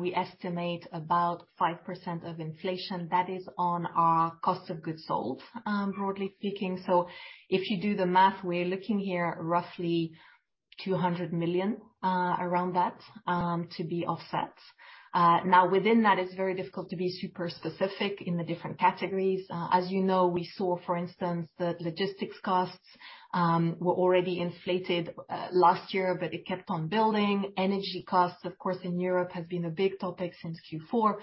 we estimate about 5% of inflation that is on our cost of goods sold, broadly speaking. If you do the math, we're looking here roughly 200 million, around that, to be offset. Now within that, it's very difficult to be super specific in the different categories. As you know, we saw, for instance, the logistics costs were already inflated last year, but it kept on building. Energy costs, of course, in Europe has been a big topic since Q4,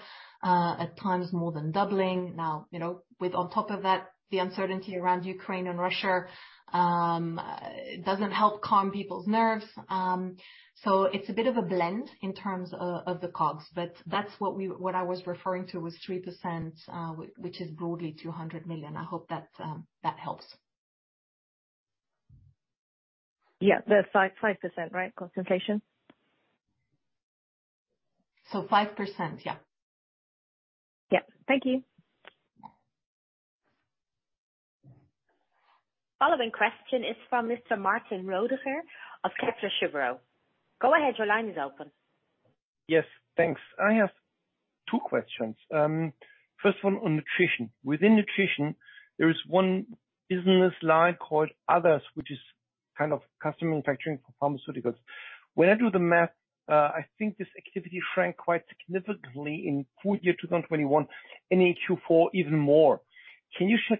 at times more than doubling. Now, you know, with on top of that, the uncertainty around Ukraine and Russia, it doesn't help calm people's nerves. It's a bit of a blend in terms of the COGS, but that's what I was referring to was 3%, which is broadly 200 million. I hope that helps. Yeah. That's 5.5%, right? Concentration. 5%. Yeah. Yeah. Thank you. Following question is from Mr. Martin Roediger of Kepler Cheuvreux. Go ahead, your line is open. Yes, thanks. I have two questions. First one on nutrition. Within nutrition, there is one business line called others, which is kind of customer manufacturing for pharmaceuticals. When I do the math, I think this activity shrank quite significantly in full year 2021 and in Q4 even more. Can you shed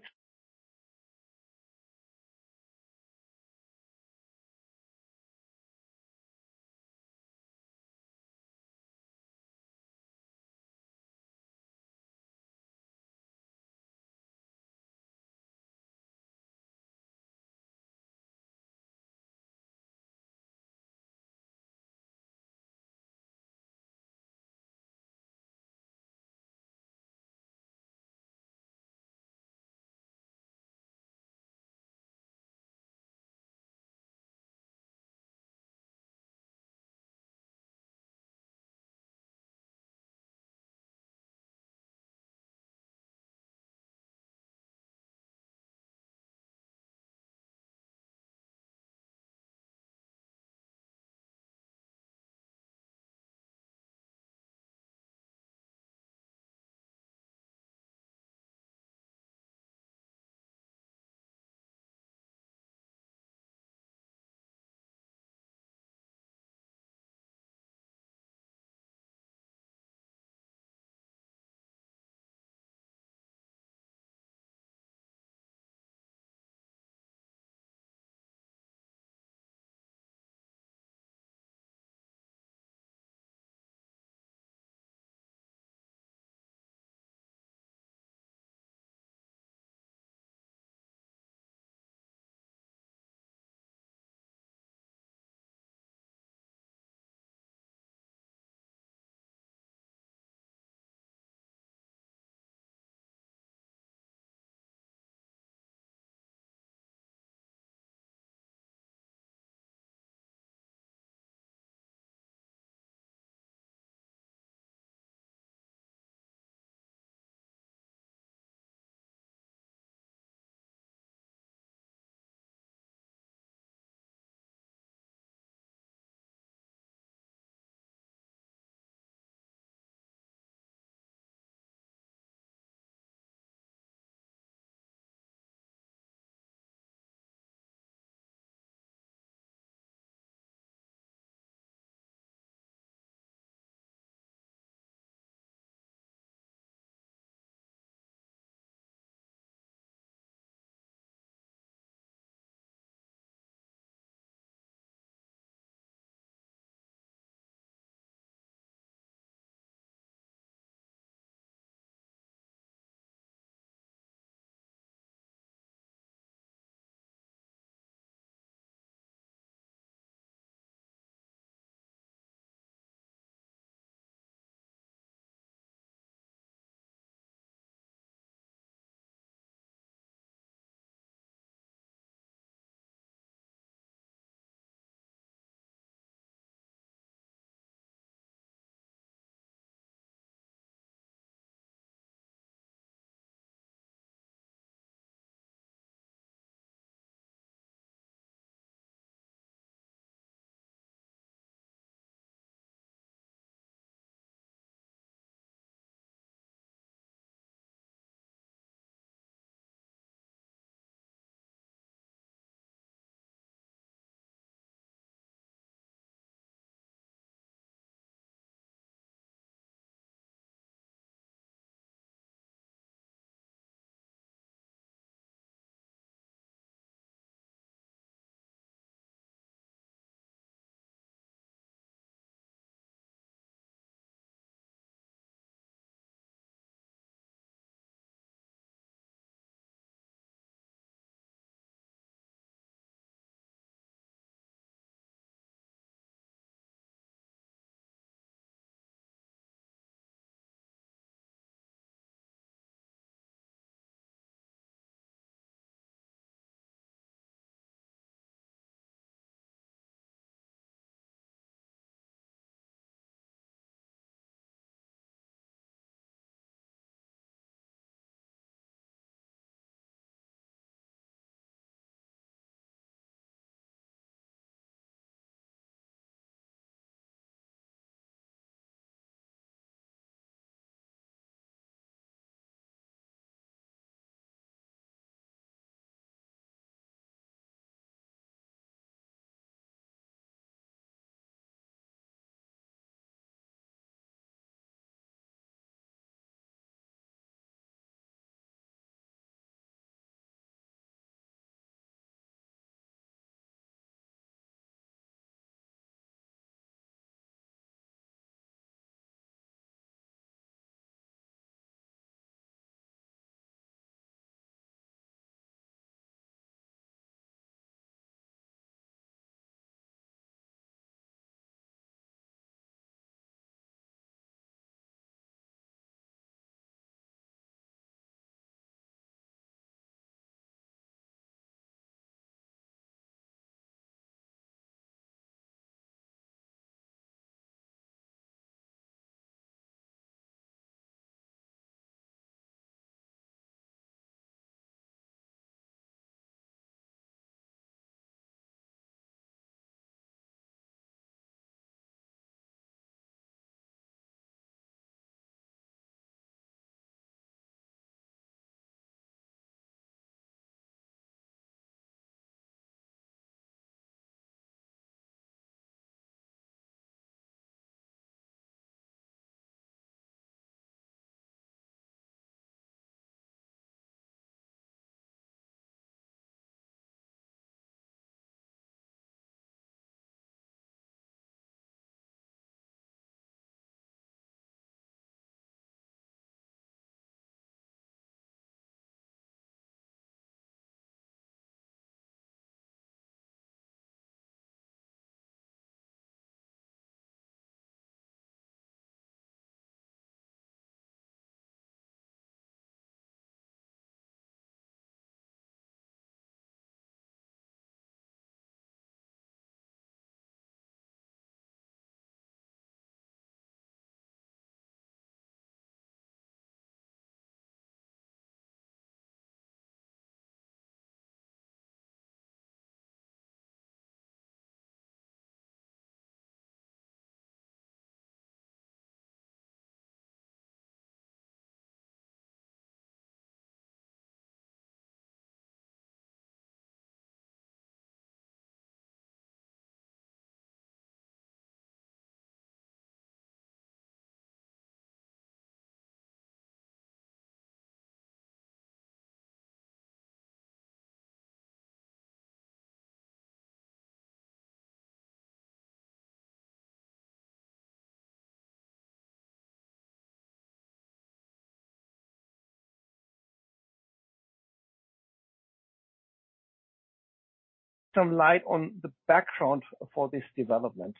some light on the background for this development?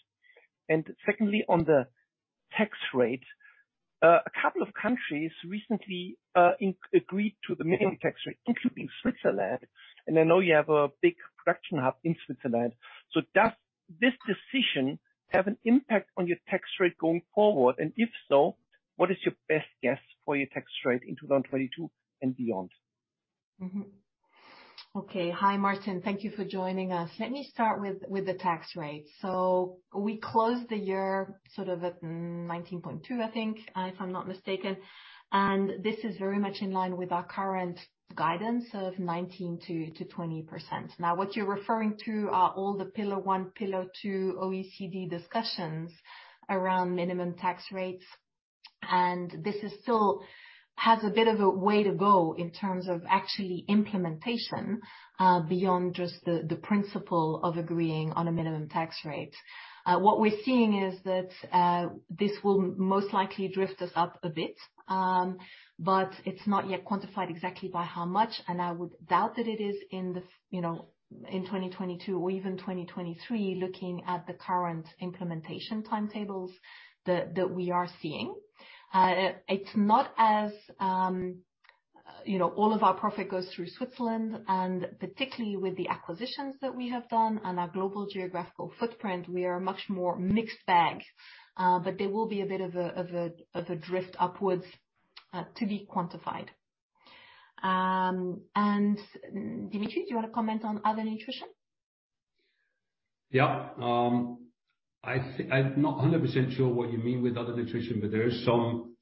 Secondly, on the tax rate, a couple of countries recently agreed to the minimum tax rate, including Switzerland, and I know you have a big production hub in Switzerland. Does this decision have an impact on your tax rate going forward? If so, what is your best guess for your tax rate in 2022 and beyond? Hi, Martin. Thank you for joining us. Let me start with the tax rate. We closed the year sort of at 19.2%, I think, if I'm not mistaken, and this is very much in line with our current guidance of 19%-20%. Now, what you're referring to are all the Pillar One, Pillar Two OECD discussions around minimum tax rates. This still has a bit of a way to go in terms of actual implementation beyond just the principle of agreeing on a minimum tax rate. What we're seeing is that this will most likely drift us up a bit, but it's not yet quantified exactly by how much, and I would doubt that it is in 2022 or even 2023, looking at the current implementation timetables that we are seeing. It's not as, you know, all of our profit goes through Switzerland, and particularly with the acquisitions that we have done and our global geographical footprint, we are much more mixed bag. But there will be a bit of a drift upwards to be quantified. Dimitri, do you wanna comment on other nutrition? Yeah. I'm not 100% sure what you mean with other nutrition, but there is some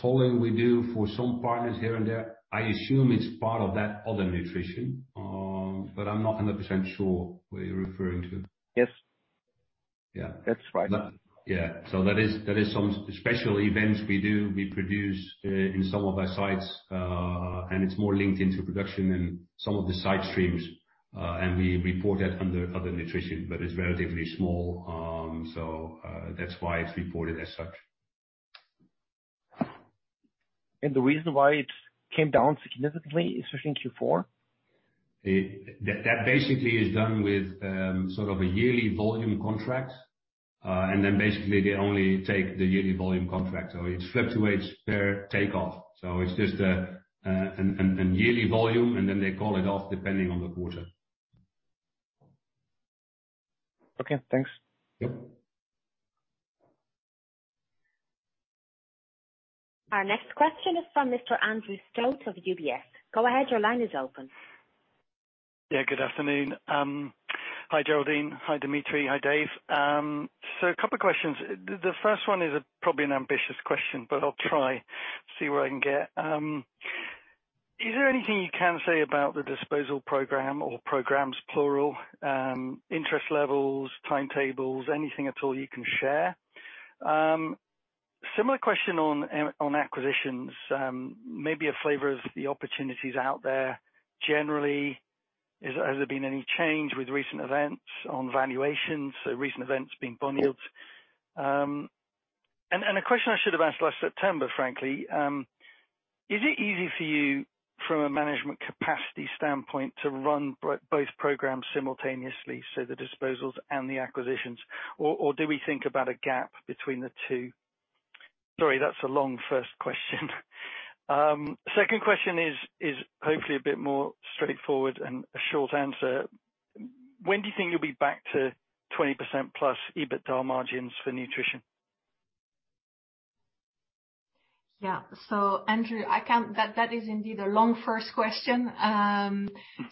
tolling we do for some partners here and there. I assume it's part of that other nutrition, but I'm not 100% sure what you're referring to. Yes. Yeah. That's right. Yeah. That is some special events we do. We produce in some of our sites, and it's more linked into production and some of the site streams, and we report that under other nutrition, but it's relatively small. That's why it's reported as such. The reason why it came down significantly, especially in Q4? That basically is done with sort of a yearly volume contract, and then basically they only take the yearly volume contract, so it fluctuates per takeoff. It's just a yearly volume, and then they call it off depending on the quarter. Okay, thanks. Yep. Our next question is from Mr. Andrew Stott of UBS. Go ahead, your line is open. Yeah, good afternoon. Hi, Geraldine. Hi, Dimitri. Hi, Dave. So a couple of questions. The first one is probably an ambitious question, but I'll try, see where I can get. Is there anything you can say about the disposal program or programs, plural, interest levels, timetables, anything at all you can share? Similar question on acquisitions. Maybe a flavor of the opportunities out there. Generally, is there, has there been any change with recent events on valuations, so recent events being Bonumose? And a question I should have asked last September, frankly, is it easy for you, from a management capacity standpoint, to run both programs simultaneously, so the disposals and the acquisitions? Or do we think about a gap between the two? Sorry, that's a long first question. Second question is, hopefully a bit more straightforward and a short answer. When do you think you'll be back to 20%+ EBITDA margins for nutrition? Andrew, that is indeed a long first question.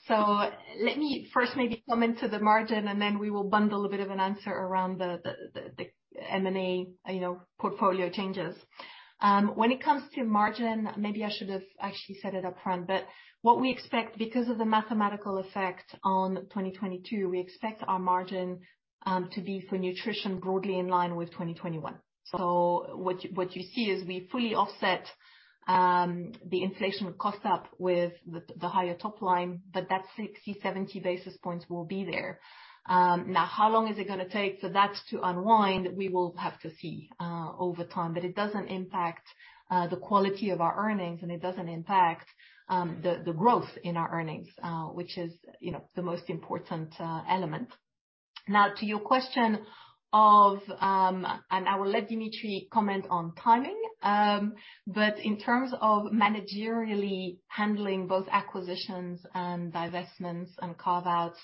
Let me first comment on the margin, and then we will bundle a bit of an answer around the M&A, you know, portfolio changes. When it comes to margin, I should have actually said it upfront, but what we expect because of the mathematical effect on 2022, we expect our margin to be for nutrition broadly in line with 2021. What you see is we fully offset the inflation costs with the higher top line, but that 60-70 basis points will be there. Now how long is it gonna take for that to unwind? We will have to see over time, but it doesn't impact the quality of our earnings, and it doesn't impact the growth in our earnings, which is, you know, the most important element. Now, to your question, and I will let Dimitri comment on timing. In terms of managerially handling both acquisitions and divestments and carve-outs,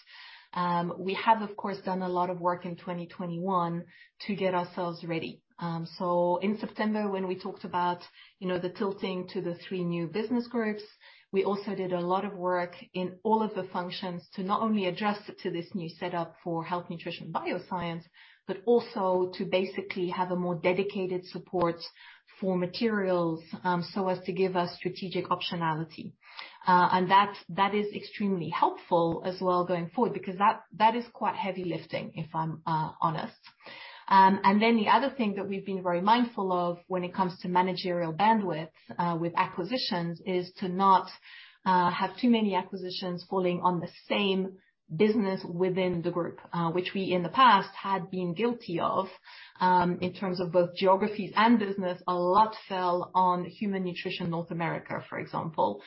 we have, of course, done a lot of work in 2021 to get ourselves ready. In September, when we talked about, you know, the shifting to the three new business groups, we also did a lot of work in all of the functions to not only adjust it to this new setup for Health, Nutrition & Bioscience, but also to basically have a more dedicated support for Materials, so as to give us strategic optionality. That is extremely helpful as well going forward because that is quite heavy lifting, if I'm honest. Then the other thing that we've been very mindful of when it comes to managerial bandwidth with acquisitions is to not have too many acquisitions falling on the same business within the group, which we in the past had been guilty of. In terms of both geographies and business, a lot fell on human nutrition North America, for example.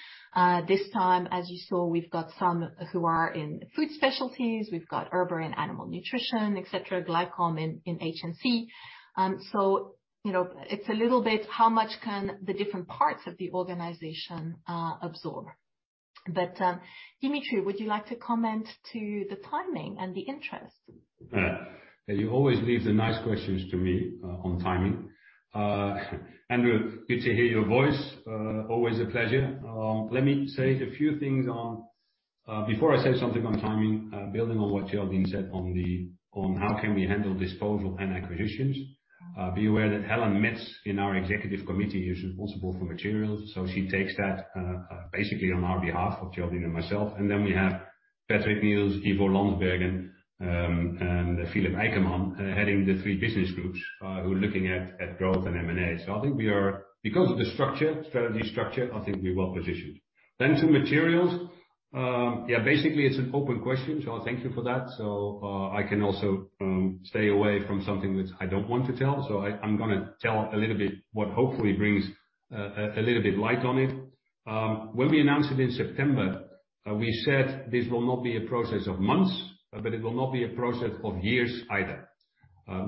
This time, as you saw, we've got some who are in food specialties, we've got Erber in animal nutrition, et cetera, Glycom in HNC. You know, it's a little bit how much can the different parts of the organization absorb. Dimitri, would you like to comment to the timing and the interest? You always leave the nice questions to me on timing. Andrew, good to hear your voice, always a pleasure. Let me say a few things on. Before I say something on timing, building on what Geraldine said on how we can handle disposal and acquisitions, be aware that Helen Mets in our executive committee is responsible for materials, so she takes that basically on our behalf of Geraldine and myself, and then we have Patrick Niels, Ivo Lansbergen, and Philip Eykerman heading the three business groups, who are looking at growth and M&A. I think we are. Because of the structure, strategy structure, I think we're well-positioned. Then to materials. Yeah, basically, it's an open question, so thank you for that. I can also stay away from something that I don't want to tell. I'm gonna tell a little bit what hopefully brings a little bit light on it. When we announced it in September, we said this will not be a process of months, but it will not be a process of years either.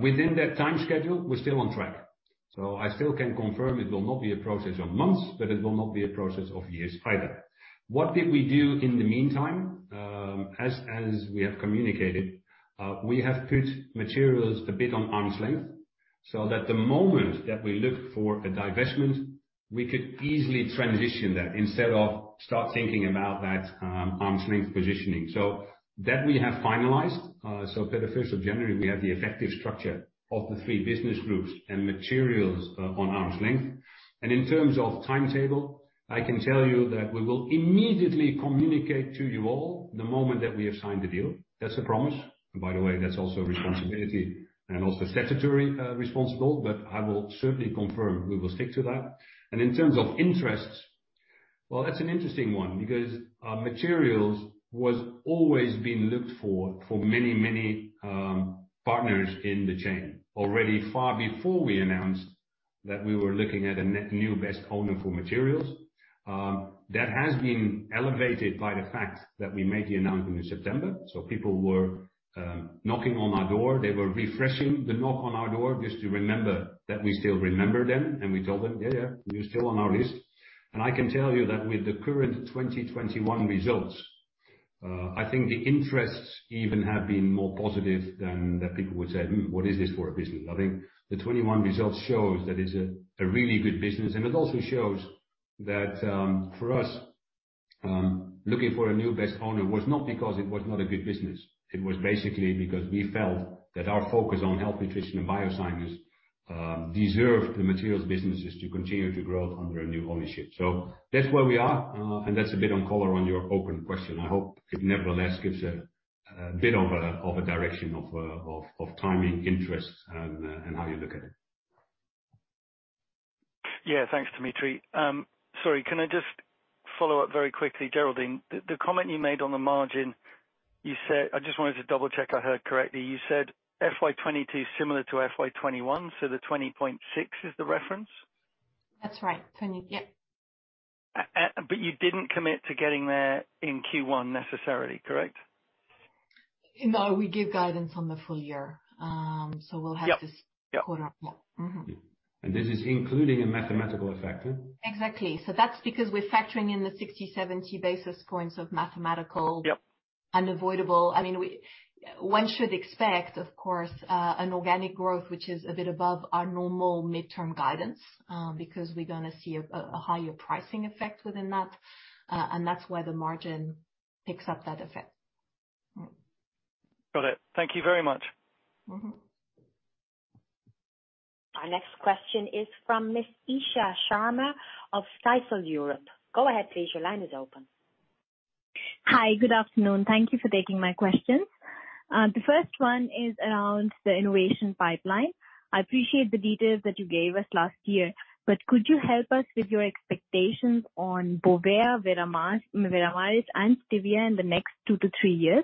Within that time schedule, we're still on track. I still can confirm it will not be a process of months, but it will not be a process of years either. What did we do in the meantime? As we have communicated, we have put materials a bit on arm's length, so that the moment that we look for a divestment, we could easily transition that instead of start thinking about that arm's length positioning. So that we have finalized. Beginning January, we have the effective structure of the three business groups and Materials on arm's length. In terms of timetable, I can tell you that we will immediately communicate to you all the moment that we have signed the deal. That's a promise. By the way, that's also responsibility and also statutory responsibility, but I will certainly confirm we will stick to that. In terms of interests, well, that's an interesting one because Materials was always been looked for for many partners in the chain already far before we announced that we were looking at a new best owner for Materials. That has been elevated by the fact that we made the announcement in September. People were knocking on our door. They were refreshing the knock on our door just to remember that we still remember them. We told them, "Yeah, yeah, you're still on our list." I can tell you that with the current 2021 results, I think the interests even have been more positive than that people would say, "Hmm, what is this for a business?" I think the 2021 results shows that it's a really good business, and it also shows that, for us, looking for a new best owner was not because it was not a good business. It was basically because we felt that our focus on health, nutrition, and bioscience deserve the materials businesses to continue to grow under a new ownership. That's where we are, and that's a bit on color on your open question. I hope it nevertheless gives a bit of a direction of timing, interest, and how you look at it. Yeah. Thanks, Dimitri. Sorry, can I just follow up very quickly, Geraldine? The comment you made on the margin, you said. I just wanted to double-check I heard correctly. You said FY 2022 is similar to FY 2021, so the 20.6% is the reference? That's right. Yeah. You didn't commit to getting there in Q1 necessarily, correct? No, we give guidance on the full year. We'll have Yep. This quarter. Yeah. This is including a mathematical effect. Exactly. That's because we're factoring in the 60-70 basis points of mathematical. Yep. Unavoidable. I mean, one should expect, of course, an organic growth, which is a bit above our normal midterm guidance, because we're gonna see a higher pricing effect within that. That's why the margin picks up that effect. Got it. Thank you very much. Mm-hmm. Our next question is from Miss Isha Sharma of Stifel Europe. Go ahead please. Your line is open. Hi. Good afternoon. Thank you for taking my questions. The first one is around the innovation pipeline. I appreciate the details that you gave us last year, but could you help us with your expectations on Bovaer, Veramaris, and Stevia in the next two to three years?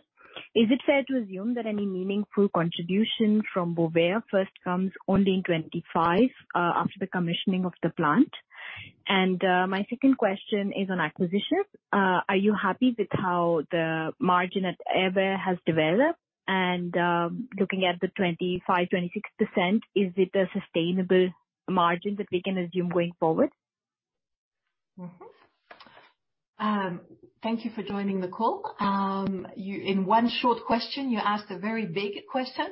Is it fair to assume that any meaningful contribution from Bovaer first comes only in 2025, after the commissioning of the plant? My second question is on acquisition. Are you happy with how the margin at Erber has developed? Looking at the 25%-26%, is it a sustainable margin that we can assume going forward? Thank you for joining the call. In one short question, you asked a very big question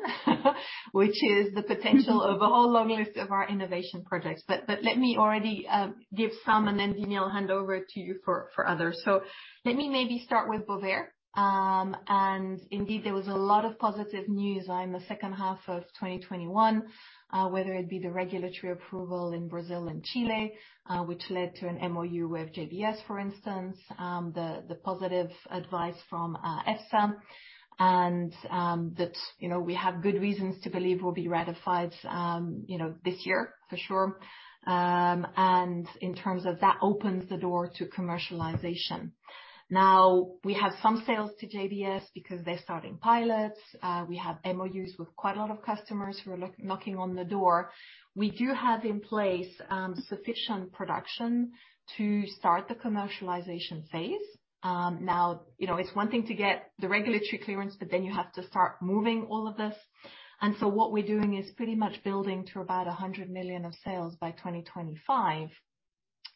which is the potential of a whole long list of our innovation projects. But let me already give some, and then, Dimitri de Vreeze, I'll hand over to you for others. Let me maybe start with Bovaer. And indeed, there was a lot of positive news on the second half of 2021, whether it be the regulatory approval in Brazil and Chile, which led to an MoU with JBS, for instance, the positive advice from EFSA and that, you know, we have good reasons to believe will be ratified, you know, this year for sure. And in terms of that opens the door to commercialization. Now, we have some sales to JBS because they're starting pilots. We have MoUs with quite a lot of customers who are knocking on the door. We do have in place sufficient production to start the commercialization phase. Now, you know, it's one thing to get the regulatory clearance, but then you have to start moving all of this. What we're doing is pretty much building to about 100 million of sales by 2025,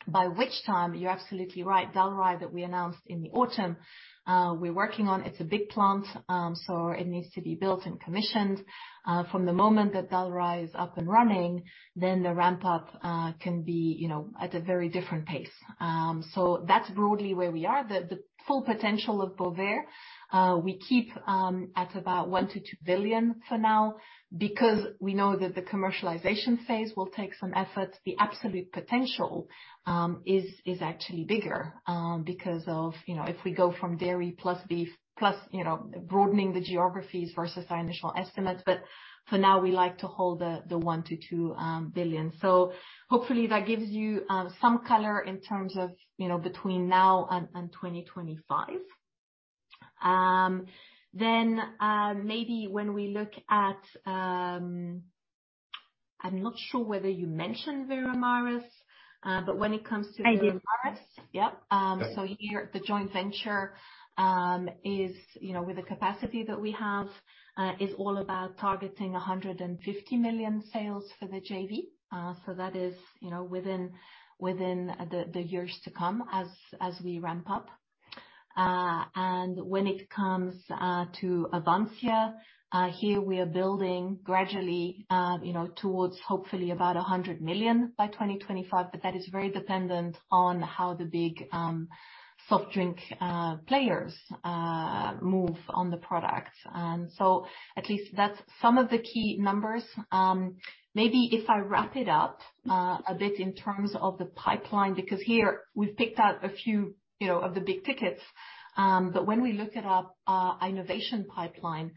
by which time, you're absolutely right, Dalry, that we announced in the autumn, we're working on, it's a big plant, so it needs to be built and commissioned. From the moment that Dalry is up and running, the ramp-up can be, you know, at a very different pace. That's broadly where we are. The full potential of Bovaer we keep at about 1 billion-2 billion for now because we know that the commercialization phase will take some efforts. The absolute potential is actually bigger because of, you know, if we go from dairy plus beef, plus, you know, broadening the geographies versus our initial estimates. For now we like to hold the one to two billion. Hopefully that gives you some color in terms of, you know, between now and 2025. Maybe when we look at I'm not sure whether you mentioned Veramaris, but when it comes to Veramaris- I did. Yep. Yeah. Here the joint venture is, you know, with the capacity that we have, is all about targeting 150 million sales for the JV. That is, you know, within the years to come as we ramp up. When it comes to Avansya, here we are building gradually, you know, towards hopefully about 100 million by 2025, but that is very dependent on how the big soft drink players move on the products. At least that's some of the key numbers. Maybe if I wrap it up a bit in terms of the pipeline, because here we've picked out a few, you know, of the big tickets. when we look at our innovation pipeline,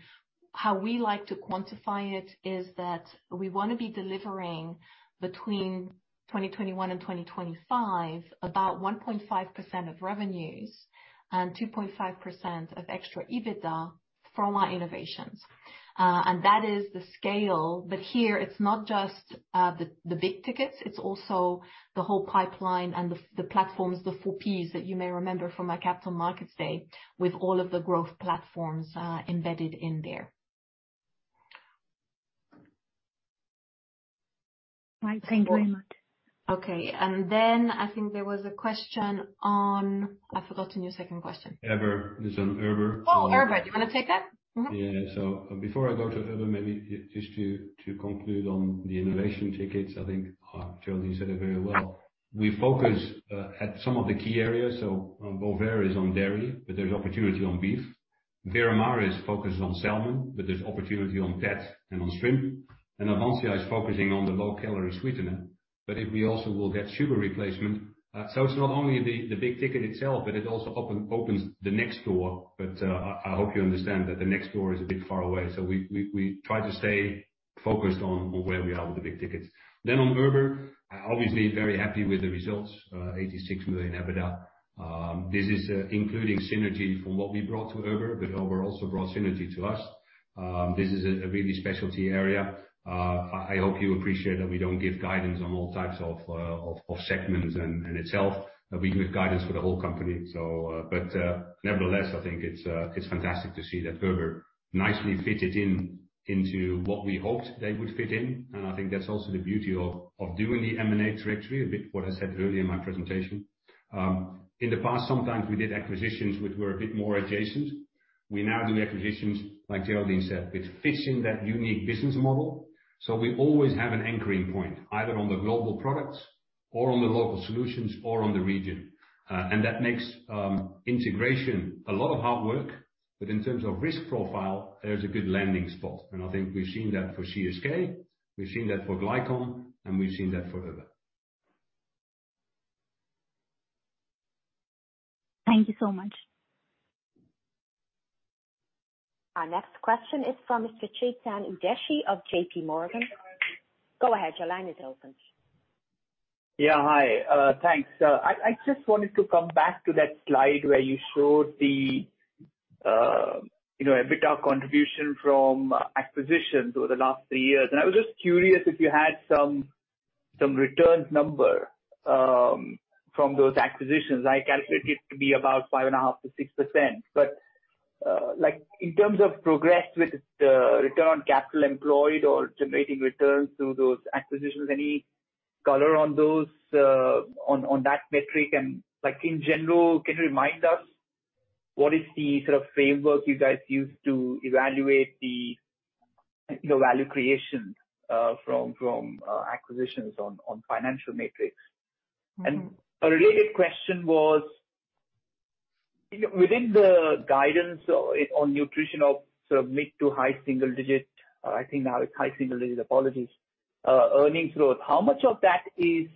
how we like to quantify it is that we wanna be delivering between 2021 and 2025 about 1.5% of revenues and 2.5% of extra EBITDA from our innovations. that is the scale. here, it's not just the big tickets, it's also the whole pipeline and the platforms, the four Ps that you may remember from our Capital Markets Day, with all of the growth platforms embedded in there. Right. Thank you very much. Okay. I've forgotten your second question. Erber. It's on Erber. Oh, Erber. Do you wanna take that? Mm-hmm. Before I go to Erber, maybe just to conclude on the innovation tickets, I think Geraldine said it very well. We focus at some of the key areas. Bovaer is on dairy, but there's opportunity on beef. Veramaris focuses on salmon, but there's opportunity on cat and on shrimp. Avansya is focusing on the low-calorie sweetener, but we also will get sugar replacement. It's not only the big ticket itself, but it also opens the next door. I hope you understand that the next door is a bit far away, so we try to stay focused on where we are with the big tickets. On Erber, obviously very happy with the results, 86 million EBITDA. This is including synergy from what we brought to Erber, but Erber also brought synergy to us. This is a really specialty area. I hope you appreciate that we don't give guidance on all types of segments in itself. We give guidance for the whole company. But nevertheless, I think it's fantastic to see that Erber nicely fitted in into what we hoped they would fit in. I think that's also the beauty of doing the M&A trajectory, a bit what I said earlier in my presentation. In the past, sometimes we did acquisitions which were a bit more adjacent. We now do acquisitions, like Geraldine said, with fits in that unique business model. We always have an anchoring point, either on the global products or on the local solutions or on the region. That makes integration a lot of hard work. In terms of risk profile, there's a good landing spot. I think we've seen that for CSK, we've seen that for Glycom, and we've seen that for Erber. Thank you so much. Our next question is from Mr. Chetan Udeshi of JPMorgan. Go ahead, your line is open. Yeah. Hi. Thanks. I just wanted to come back to that slide where you showed the EBITDA contribution from acquisitions over the last three years. I was just curious if you had some returns number from those acquisitions. I calculate it to be about 5.5%-6%. Like in terms of progress with the return on capital employed or generating returns through those acquisitions, any color on that metric? Like, in general, can you remind us what is the sort of framework you guys use to evaluate the value creation from acquisitions on financial metrics? Mm-hmm. A related question was, you know, within the guidance on nutrition of sort of mid- to high-single-digit, I think now it's high-single-digit, apologies, earnings growth, how much of that is,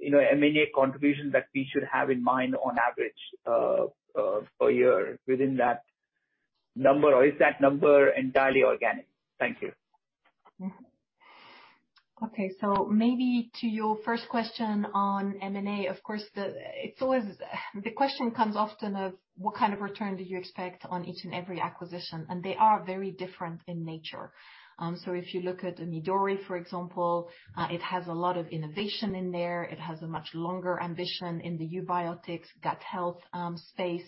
you know, M&A contribution that we should have in mind on average, per year within that number? Or is that number entirely organic? Thank you. Okay. Maybe to your first question on M&A, of course, it's always the question comes often of what kind of return do you expect on each and every acquisition, and they are very different in nature. If you look at Midori, for example, it has a lot of innovation in there. It has a much longer ambition in the eubiotics gut health space.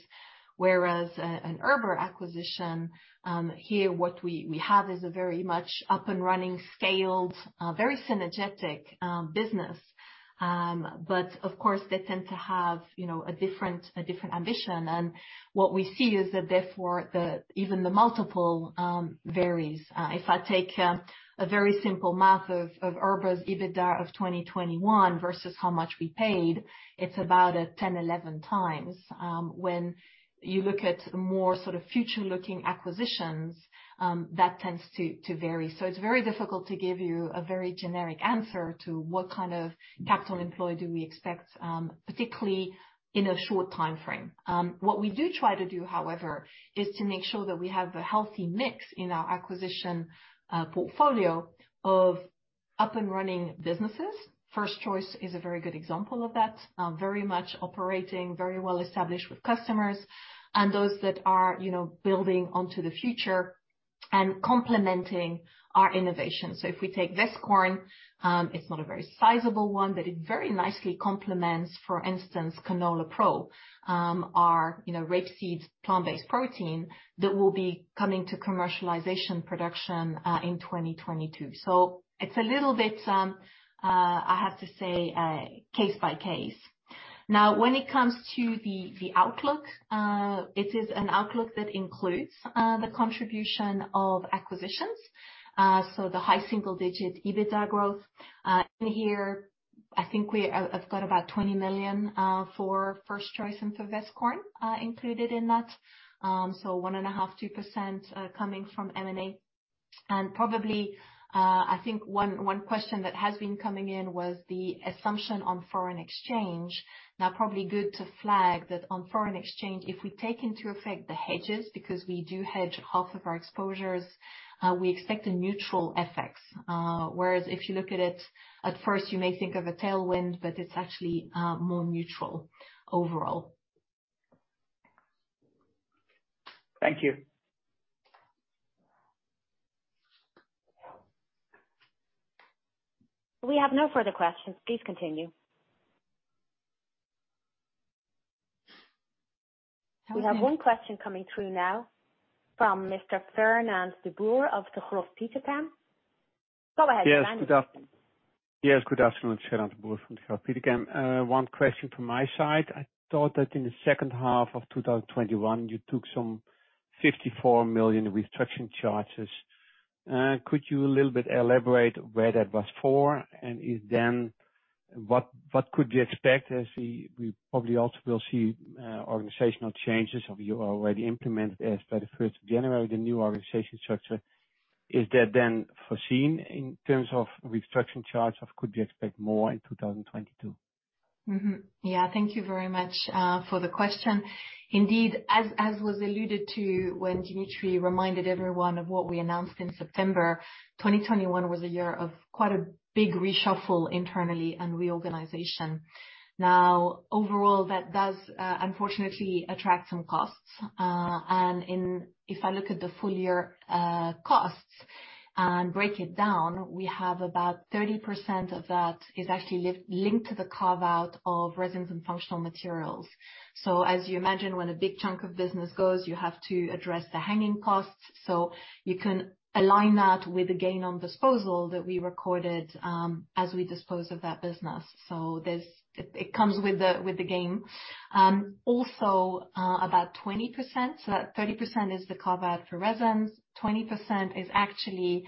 Whereas an Erber acquisition here, what we have is a very much up and running scaled very synergetic business. Of course, they tend to have, you know, a different ambition. What we see is that therefore even the multiple varies. If I take a very simple math of Erber's EBITDA of 2021 versus how much we paid, it's about 10x-11x. When you look at more sort of future looking acquisitions, that tends to vary. It's very difficult to give you a very generic answer to what kind of capital employed do we expect, particularly in a short timeframe. What we do try to do, however, is to make sure that we have a healthy mix in our acquisition portfolio of up and running businesses. First Choice is a very good example of that, very much operating, very well established with customers and those that are, you know, building onto the future and complementing our innovation. If we take Vestkorn, it's not a very sizable one, but it very nicely complements, for instance, CanolaPRO, our, you know, rapeseed plant-based protein that will be coming to commercial production in 2022. It's a little bit, I have to say, case by case. When it comes to the outlook, it is an outlook that includes the contribution of acquisitions, so the high single-digit EBITDA growth. In here I think we have got about 20 million for First Choice and for Vestkorn included in that. 1.5%-2% coming from M&A. Probably, I think one question that has been coming in was the assumption on foreign exchange. Probably good to flag that on foreign exchange, if we take into effect the hedges, because we do hedge half of our exposures, we expect a neutral FX. Whereas if you look at it at first you may think of a tailwind, but it's actually more neutral overall. Thank you. We have no further questions. Please continue. Okay. We have one question coming through now from Mr. Fernand de Boer of Degroof Petercam. Go ahead. Yes, good afternoon. It's Fernand de Boer from Degroof Petercam. One question from my side. I thought that in the second half of 2021, you took some 54 million restructuring charges. Could you a little bit elaborate where that was for? And if then, what could you expect as we probably also will see organizational changes or you already implemented as per the first of January the new organizational structure. Is that then foreseen in terms of restructuring charge or could we expect more in 2022? Thank you very much for the question. Indeed, as was alluded to when Dimitri reminded everyone of what we announced in September 2021 was a year of quite a big reshuffle internally and reorganization. Now, overall, that does unfortunately attract some costs. If I look at the full year costs and break it down, we have about 30% of that is actually linked to the carve-out of Resins & Functional Materials. As you imagine, when a big chunk of business goes, you have to address the hanging costs. You can align that with the gain on disposal that we recorded as we dispose of that business. It comes with the game. About 20%. That 30% is the carve-out for resins. 20% is actually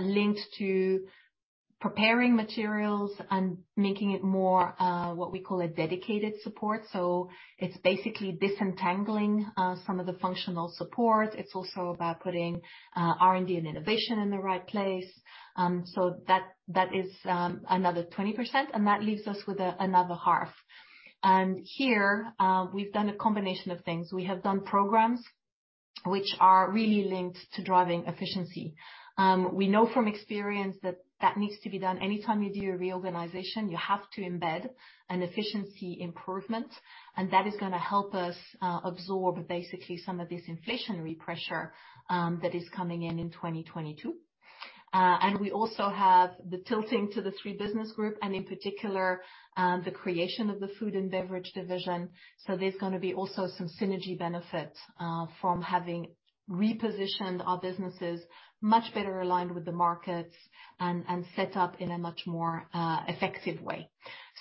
linked to preparing materials and making it more what we call a dedicated support. It's basically disentangling some of the functional support. It's also about putting R&D and innovation in the right place. That is another 20%, and that leaves us with another half. Here we've done a combination of things. We have done programs which are really linked to driving efficiency. We know from experience that that needs to be done. Any time you do a reorganization, you have to embed an efficiency improvement, and that is gonna help us absorb basically some of this inflationary pressure that is coming in in 2022. We also have the tilting to the three business group and in particular the creation of the Food & Beverage division. There's gonna be also some synergy benefit from having repositioned our businesses much better aligned with the markets and set up in a much more effective way.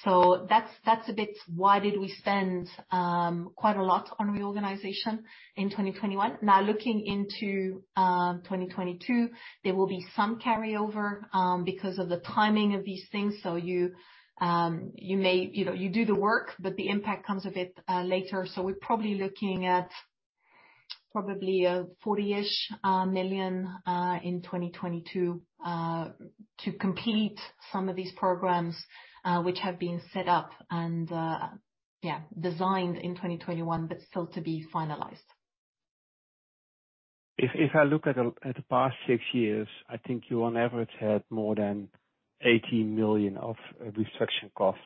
That's a bit why did we spend quite a lot on reorganization in 2021. Now, looking into 2022, there will be some carryover because of the timing of these things. You may, you know, do the work, but the impact comes a bit later. We're probably looking at 40-ish million in 2022 to complete some of these programs which have been set up and designed in 2021, but still to be finalized. If I look at the past six years, I think you on average had more than 18 million of restructuring costs.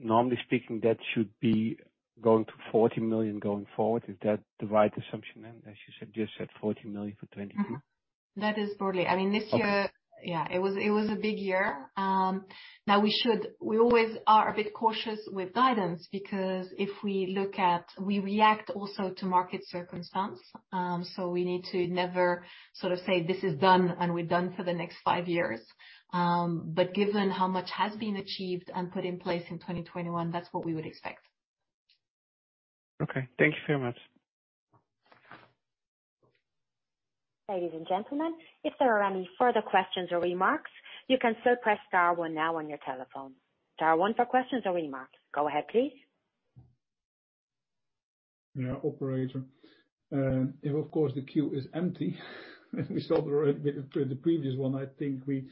Normally speaking, that should be going to 40 million going forward. Is that the right assumption then, as you said, just said 40 million for 2022? That is broadly, I mean, this year. Okay. Yeah, it was a big year. We always are a bit cautious with guidance because we react also to market circumstance. We need to never sort of say, "This is done and we're done for the next five years." Given how much has been achieved and put in place in 2021, that's what we would expect. Okay. Thank you very much. Ladies and gentlemen, if there are any further questions or remarks, you can still press star one now on your telephone. Star one for questions or remarks. Go ahead, please. Yeah. Operator, if of course the queue is empty, as we saw the previous one, I think we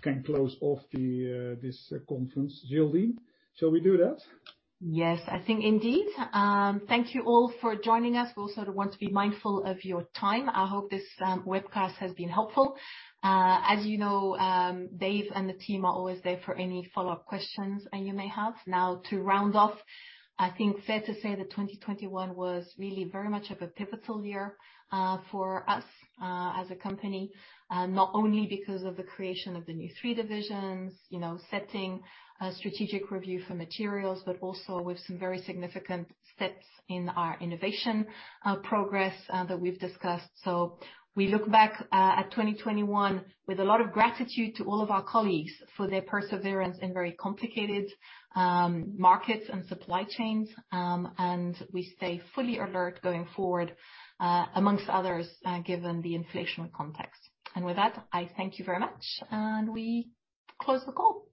can close off this conference. Geraldine, shall we do that? Yes, I think indeed. Thank you all for joining us. We also want to be mindful of your time. I hope this webcast has been helpful. As you know, Dave and the team are always there for any follow-up questions that you may have. Now, to round off, I think fair to say that 2021 was really very much of a pivotal year for us as a company, not only because of the creation of the new three divisions, you know, setting a strategic review for materials, but also with some very significant steps in our innovation progress that we've discussed. We look back at 2021 with a lot of gratitude to all of our colleagues for their perseverance in very complicated markets and supply chains. We stay fully alert going forward, among others, given the inflation context. With that, I thank you very much, and we close the call.